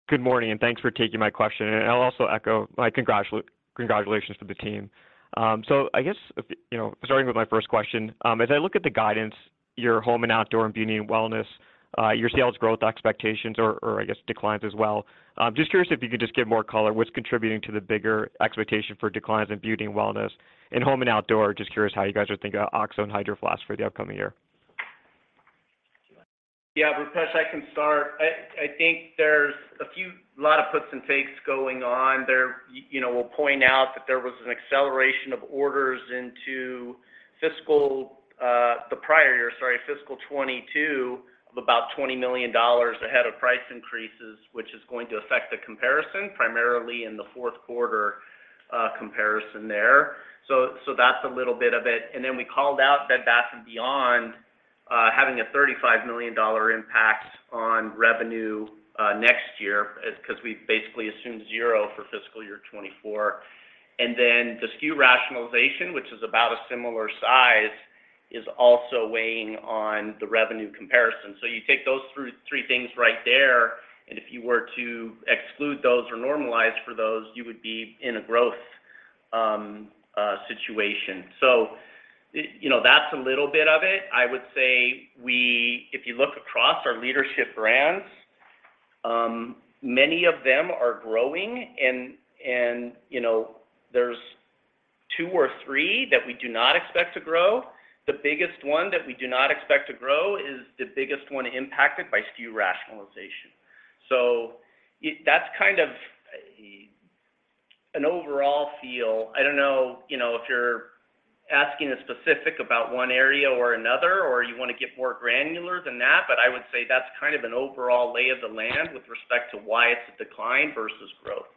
Good morning, and thanks for taking my question. I'll also echo my congratulations to the team. I guess if you know, starting with my first question, as I look at the guidance, your Home & Outdoor and Beauty & Wellness, your sales growth expectations or I guess declines as well, just curious if you could just give more color. What's contributing to the bigger expectation for declines in Beauty & Wellness? In Home & Outdoor, just curious how you guys are thinking about OXO and Hydro Flask for the upcoming year. Yeah, Rupesh, I can start. I think a lot of puts and takes going on there. You know, we'll point out that there was an acceleration of orders into fiscal, the prior year, sorry, fiscal 2022 of about $20 million ahead of price increases, which is going to affect the comparison primarily in the fourth quarter comparison there. That's a little bit of it. We called out Bed Bath & Beyond having a $35 million impact on revenue next year as 'cause we basically assumed 0 for fiscal year 2024. The SKU rationalization, which is about a similar size, is also weighing on the revenue comparison. You take those three things right there, and if you were to exclude those or normalize for those, you would be in a growth situation. You know, that's a little bit of it. I would say if you look across our Leadership Brands, many of them are growing and, you know, there's 2 or 3 that we do not expect to grow. The biggest one that we do not expect to grow is the biggest one impacted by SKU rationalization. That's kind of an overall feel. I don't know, you know, if you're asking a specific about one area or another, or you wanna get more granular than that, but I would say that's kind of an overall lay of the land with respect to why it's a decline versus growth.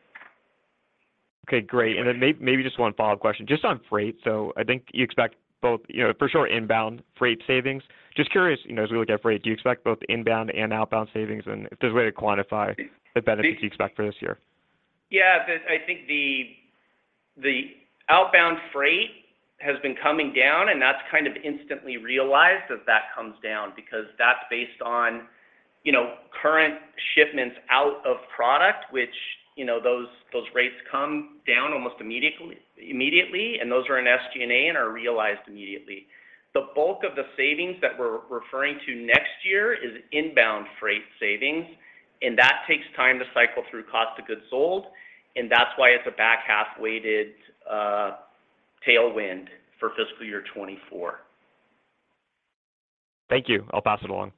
Okay, great. Then maybe just 1 follow-up question. Just on freight. I think you expect both, you know, for sure inbound freight savings. Just curious, you know, as we look at freight, do you expect both inbound and outbound savings? If there's a way to quantify the benefits you expect for this year? Yeah. I think the outbound freight has been coming down, and that's kind of instantly realized as that comes down because that's based on, you know, current shipments out of product, which, you know, those rates come down almost immediately, and those are in SG&A and are realized immediately. The bulk of the savings that we're referring to next year is inbound freight savings, and that takes time to cycle through cost of goods sold, and that's why it's a back half weighted tailwind for fiscal year 2024. Thank you. I'll pass it along.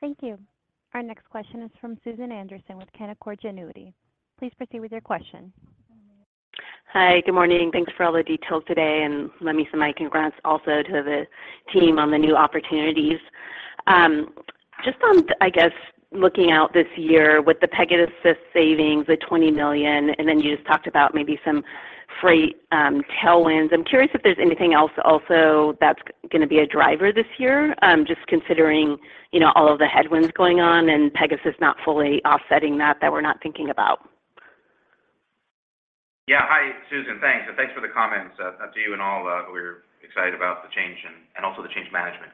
Thank you. Our next question is from Susan Anderson with Canaccord Genuity. Please proceed with your question. Hi. Good morning. Thanks for all the details today. Let me say my congrats also to the team on the new opportunities. Just on, I guess, looking out this year with the Pegasus savings, the $20 million, then you just talked about maybe some freight, tailwinds. I'm curious if there's anything else also that's gonna be a driver this year, just considering, you know, all of the headwinds going on and Pegasus not fully offsetting that we're not thinking about. Yeah. Hi, Susan. Thanks. Thanks for the comments, to you and all. We're excited about the change and also the change management.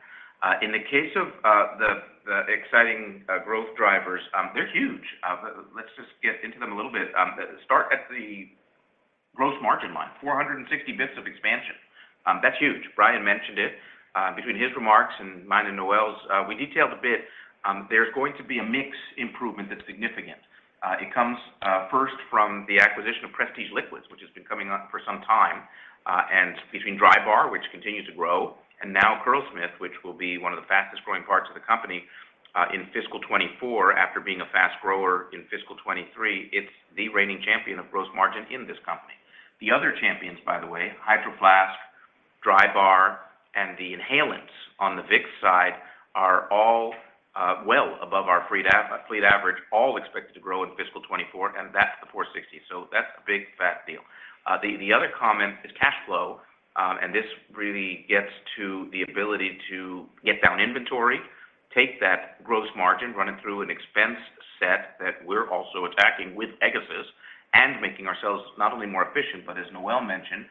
In the case of the exciting, growth drivers, they're huge. Let's just get into them a little bit. Start at the gross margin line, 460 basis points of expansion. That's huge. Brian mentioned it, between his remarks and mine and Noel's. We detailed a bit, there's going to be a mix improvement that's significant. It comes, first from the acquisition of Prestige Liquids, which has been coming up for some time, and between Drybar, which continues to grow, and now Curlsmith, which will be one of the fastest growing parts of the company, in fiscal 2024 after being a fast grower in fiscal 2023. It's the reigning champion of gross margin in this company. The other champions, by the way, Hydro Flask, Drybar, and the inhalants on the Vicks side are all well above our fleet average, all expected to grow in fiscal 2024, and that's the 460. That's a big, fat deal. The other comment is cash flow, and this really gets to the ability to get down inventory, take that gross margin, run it through an expense set that we're also attacking with Pegasus, and making ourselves not only more efficient, but as Noel mentioned,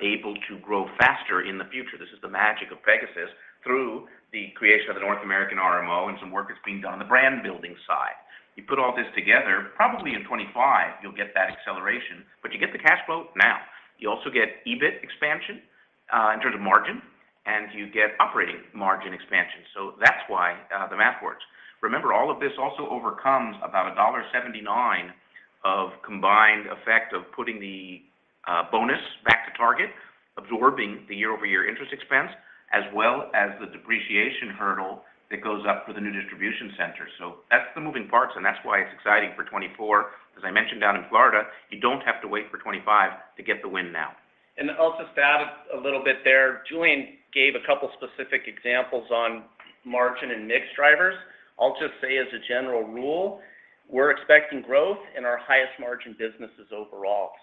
able to grow faster in the future. This is the magic of Pegasus through the creation of the North American RMO and some work that's being done on the brand building side. You put all this together, probably in 2025, you'll get that acceleration, you get the cash flow now. You also get EBIT expansion, in terms of margin, and you get operating margin expansion. That's why the math works. Remember, all of this also overcomes about $1.79 of combined effect of putting the bonus back to target, absorbing the year-over-year interest expense, as well as the depreciation hurdle that goes up for the new distribution center. That's the moving parts, and that's why it's exciting for 2024. As I mentioned down in Florida, you don't have to wait for 2025 to get the win now. I'll just add a little bit there. Julien gave a couple specific examples on margin and mix drivers. I'll just say as a general rule, we're expecting growth in our highest margin businesses overall.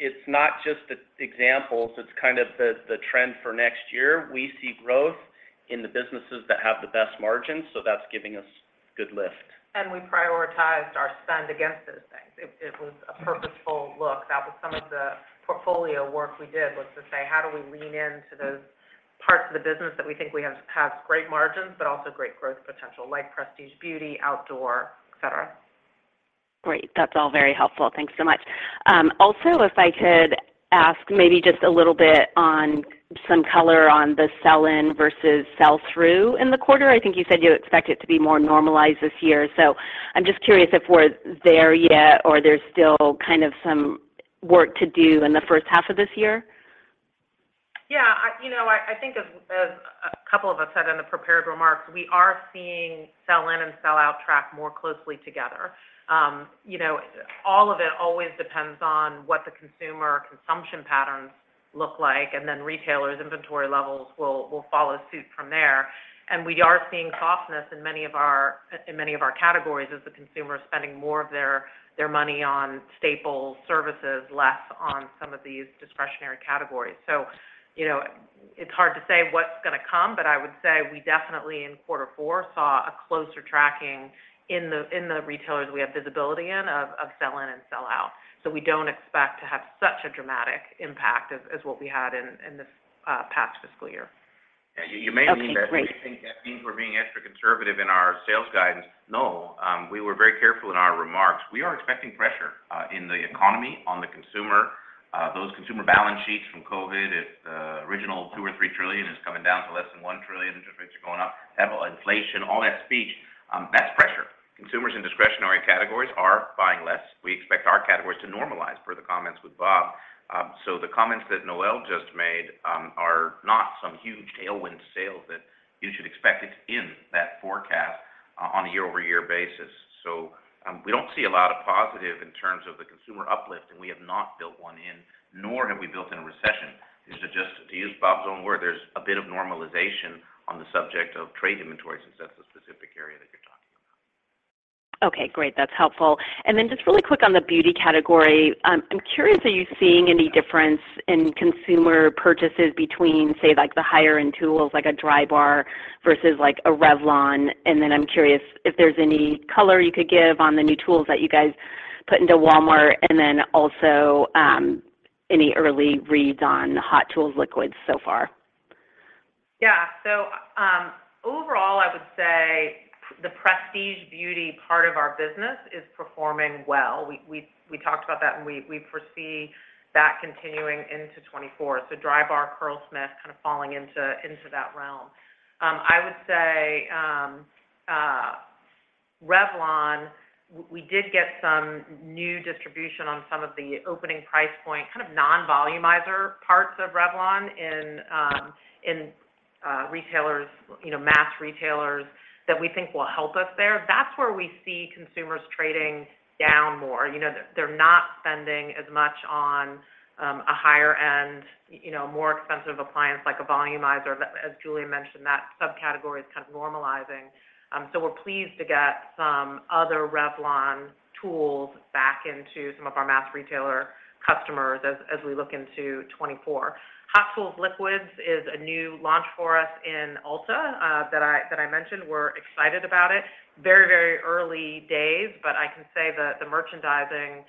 It's not just the examples, it's kind of the trend for next year. We see growth in the businesses that have the best margins, so that's giving us good lift. We prioritized our spend against those things. It was a purposeful look. That was some of the portfolio work we did was to say, how do we lean into those parts of the business that we think has great margins, but also great growth potential, like Prestige Beauty, outdoor, et cetera. Great. That's all very helpful. Thanks so much. Also, if I could ask maybe just a little bit on some color on the sell-in versus sell-through in the quarter. I think you said you expect it to be more normalized this year. I'm just curious if we're there yet or there's still kind of some work to do in the first half of this year? Yeah. I, you know, I think as a couple of us said in the prepared remarks, we are seeing sell-in and sell-out track more closely together. You know, all of it always depends on what the consumer consumption patterns look like, and then retailers inventory levels will follow suit from there. We are seeing softness in many of our categories as the consumer is spending more of their money on staple services, less on some of these discretionary categories. You know, it's hard to say what's gonna come, but I would say we definitely in quarter four saw a closer tracking in the retailers we have visibility in of sell-in and sell-out. We don't expect to have such a dramatic impact as what we had in this past fiscal year. Okay, great. Yeah. You may think that, you may think that means we're being extra conservative in our sales guidance. No. We were very careful in our remarks. We are expecting pressure in the economy, on the consumer, those consumer balance sheets from COVID at original $2 trillion or $3 trillion is coming down to less than $1 trillion. Interest rates are going up. You have inflation, all that speech, that's pressure. Consumers and discretionary categories are buying less. We expect our categories to normalize per the comments with Bob Labick. The comments that Noel Geoffroy just made are not some huge tailwind sales that you should expect it in that forecast on a year-over-year basis. We don't see a lot of positive in terms of the consumer uplift, and we have not built one in, nor have we built in a recession. These are just, to use Bob's own word, there's a bit of normalization on the subject of trade inventories, and so that's a specific area that you're talking about. Okay, great. That's helpful. Just really quick on the beauty category. I'm curious, are you seeing any difference in consumer purchases between, say, like the higher end tools, like a Drybar versus like a Revlon? I'm curious if there's any color you could give on the new tools that you guys put into Walmart. Also, any early reads on Hot Tools Liquids so far? Overall, I would say the prestige beauty part of our business is performing well. We talked about that, we foresee that continuing into 2024. Drybar, Curlsmith, kind of falling into that realm. I would say Revlon, we did get some new distribution on some of the opening price point, kind of non-volumizer parts of Revlon in retailers, you know, mass retailers that we think will help us there. That's where we see consumers trading down more. You know, they're not spending as much on a higher end, you know, more expensive appliance like a volumizer. As Julien mentioned, that subcategory is kind of normalizing. We're pleased to get some other Revlon tools back into some of our mass retailer customers as we look into 2024. Hot Tools Liquids is a new launch for us in Ulta that I mentioned. We're excited about it. Very, very early days, but I can say the merchandising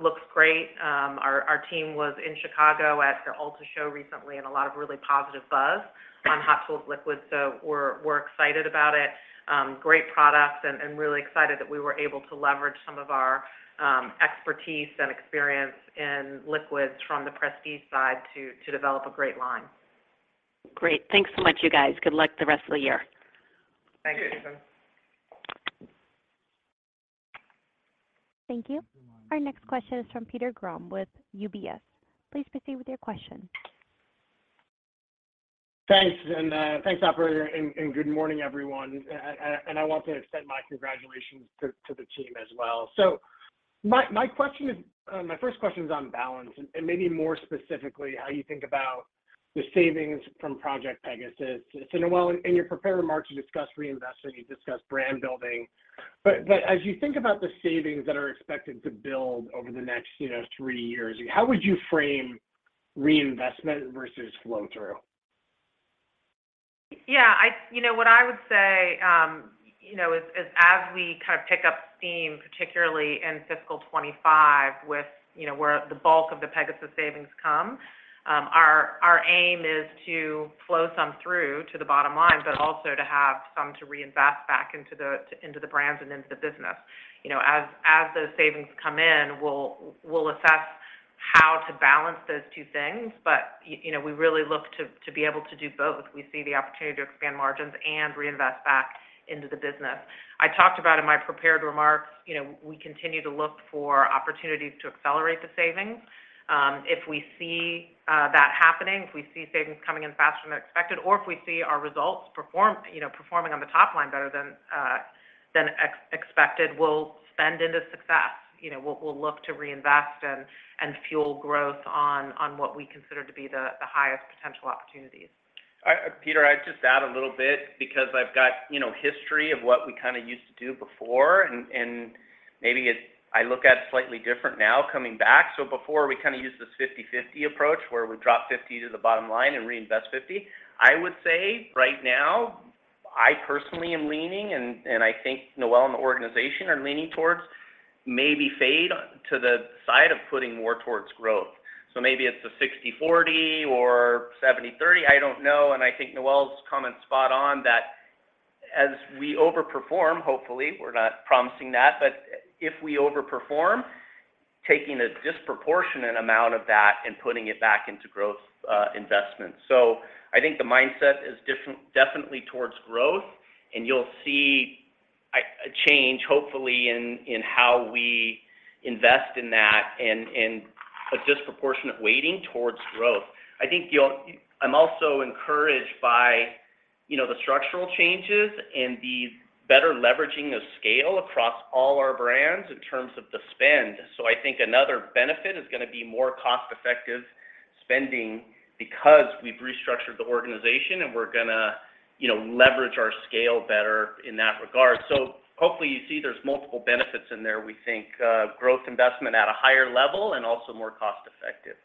looks great. Our team was in Chicago at the Ulta show recently, and a lot of really positive buzz on Hot Tools Liquids, so we're excited about it. Great products and really excited that we were able to leverage some of our expertise and experience in liquids from the Prestige side to develop a great line. Great. Thanks so much, you guys. Good luck the rest of the year. Thank you. Thanks. Thank you. Our next question is from Peter Grom with UBS. Please proceed with your question. Thanks, operator, and good morning, everyone. I want to extend my congratulations to the team as well. My question is. My first question is on balance, and maybe more specifically, how you think about the savings from Project Pegasus. Noel, in your prepared remarks, you discussed reinvestment, you discussed brand building. As you think about the savings that are expected to build over the next, you know, three years, how would you frame reinvestment versus flow-through? Yeah. You know, what I would say, you know, is as we kind of pick up steam, particularly in fiscal 2025 with, you know, where the bulk of the Pegasus savings come, our aim is to flow some through to the bottom line, but also to have some to reinvest back into the brands and into the business. You know, as those savings come in, we'll assess how to balance those two things. You know, we really look to be able to do both. We see the opportunity to expand margins and reinvest back into the business. I talked about in my prepared remarks, you know, we continue to look for opportunities to accelerate the savings. If we see that happening, if we see savings coming in faster than expected, or if we see our results you know, performing on the top line better than expected, we'll spend into success. You know, we'll look to reinvest and fuel growth on what we consider to be the highest potential opportunities. All right. Peter, I'd just add a little bit because I've got, you know, history of what we kinda used to do before, and maybe I look at slightly different now coming back. Before, we kinda used this 50/50 approach, where we drop 50 to the bottom line and reinvest 50. I would say right now, I personally am leaning, and I think Noel and the organization are leaning towards maybe fade to the side of putting more towards growth. Maybe it's a 60/40 or 70/30, I don't know. I think Noel's comment is spot on that as we overperform, hopefully, we're not promising that, but if we overperform, taking a disproportionate amount of that and putting it back into growth investments. I think the mindset is definitely towards growth. You'll see a change hopefully in how we invest in that and a disproportionate weighting towards growth. I'm also encouraged by, you know, the structural changes and the better leveraging of scale across all our brands in terms of the spend. I think another benefit is gonna be more cost-effective spending because we've restructured the organization, and we're gonna, you know, leverage our scale better in that regard. Hopefully you see there's multiple benefits in there. We think growth investment at a higher level and also more cost-effective.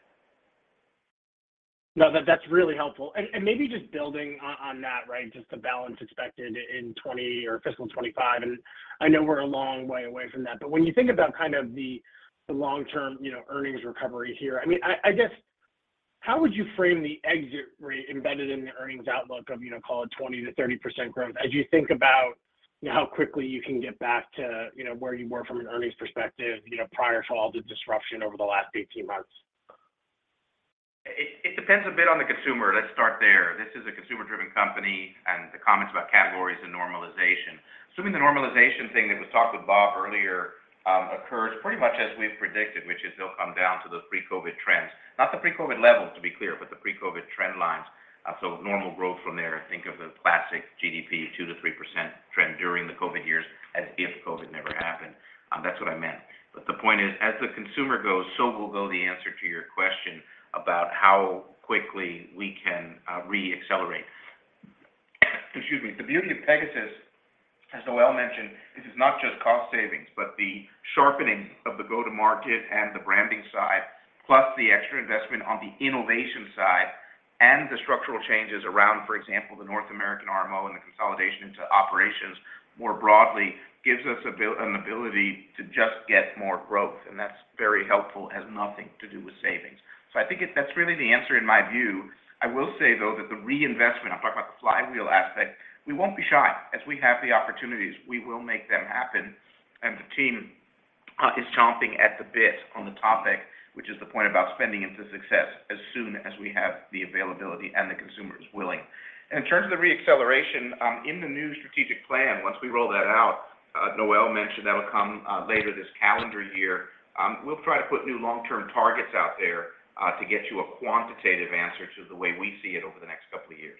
No, that's really helpful. Maybe just building on that, right? Just the balance expected in 2020 or fiscal 2025, I know we're a long way away from that. When you think about kind of the long-term, you know, earnings recovery here, I mean, I guess how would you frame the exit rate embedded in the earnings outlook of, you know, call it 20%-30% growth as you think about, you know, how quickly you can get back to, you know, where you were from an earnings perspective, you know, prior to all the disruption over the last 18 months? It depends a bit on the consumer. Let's start there. This is a consumer-driven company, and the comments about categories and normalization. Assuming the normalization thing that was talked with Bob Labick earlier, occurs pretty much as we've predicted, which is they'll come down to those pre-COVID trends. Not the pre-COVID levels to be clear, but the pre-COVID trend lines. So normal growth from there, think of the classic GDP 2%-3% trend during the COVID years as if COVID never happened. That's what I meant. The point is as the consumer goes, so will go the answer to your question about how quickly we can reaccelerate. Excuse me. The beauty of Pegasus, as Noel mentioned, this is not just cost savings, but the sharpening of the go-to-market and the branding side, plus the extra investment on the innovation side and the structural changes around, for example, the North American RMO and the consolidation into operations more broadly gives us an ability to just get more growth. That's very helpful, has nothing to do with savings. I think that's really the answer in my view. I will say though that the reinvestment, I'm talking about the flywheel aspect, we won't be shy. As we have the opportunities, we will make them happen, and the team is chomping at the bit on the topic, which is the point about spending into success as soon as we have the availability and the consumer is willing. In terms of the reacceleration, in the new strategic plan, once we roll that out, Noel mentioned that'll come later this calendar year, we'll try to put new long-term targets out there, to get you a quantitative answer to the way we see it over the next couple of years.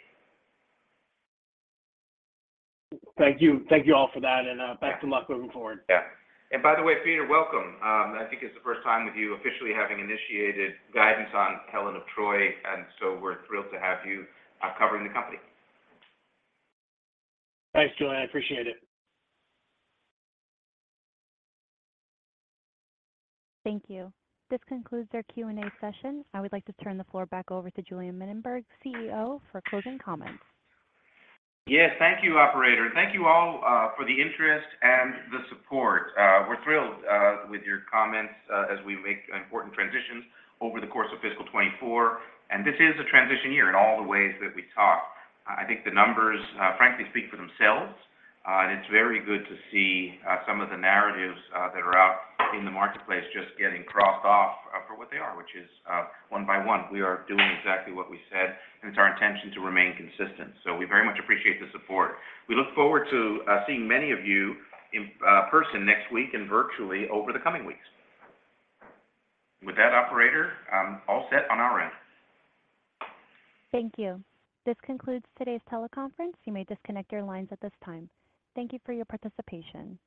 Thank you. Thank you all for that, and best of luck moving forward. Yeah. By the way, Peter, welcome. I think it's the first time with you officially having initiated guidance on Helen of Troy, we're thrilled to have you covering the company. Thanks, Julien. I appreciate it. Thank you. This concludes our Q&A session. I would like to turn the floor back over to Julien Mininberg, CEO, for closing comments. Yes. Thank you, operator. Thank you all for the interest and the support. We're thrilled with your comments as we make important transitions over the course of fiscal 2024. This is a transition year in all the ways that we talk. I think the numbers frankly speak for themselves, and it's very good to see some of the narratives that are out in the marketplace just getting crossed off for what they are, which is one by one. We are doing exactly what we said, and it's our intention to remain consistent. We very much appreciate the support. We look forward to seeing many of you in person next week and virtually over the coming weeks. With that operator, I'm all set on our end. Thank you. This concludes today's teleconference. You may disconnect your lines at this time. Thank you for your participation.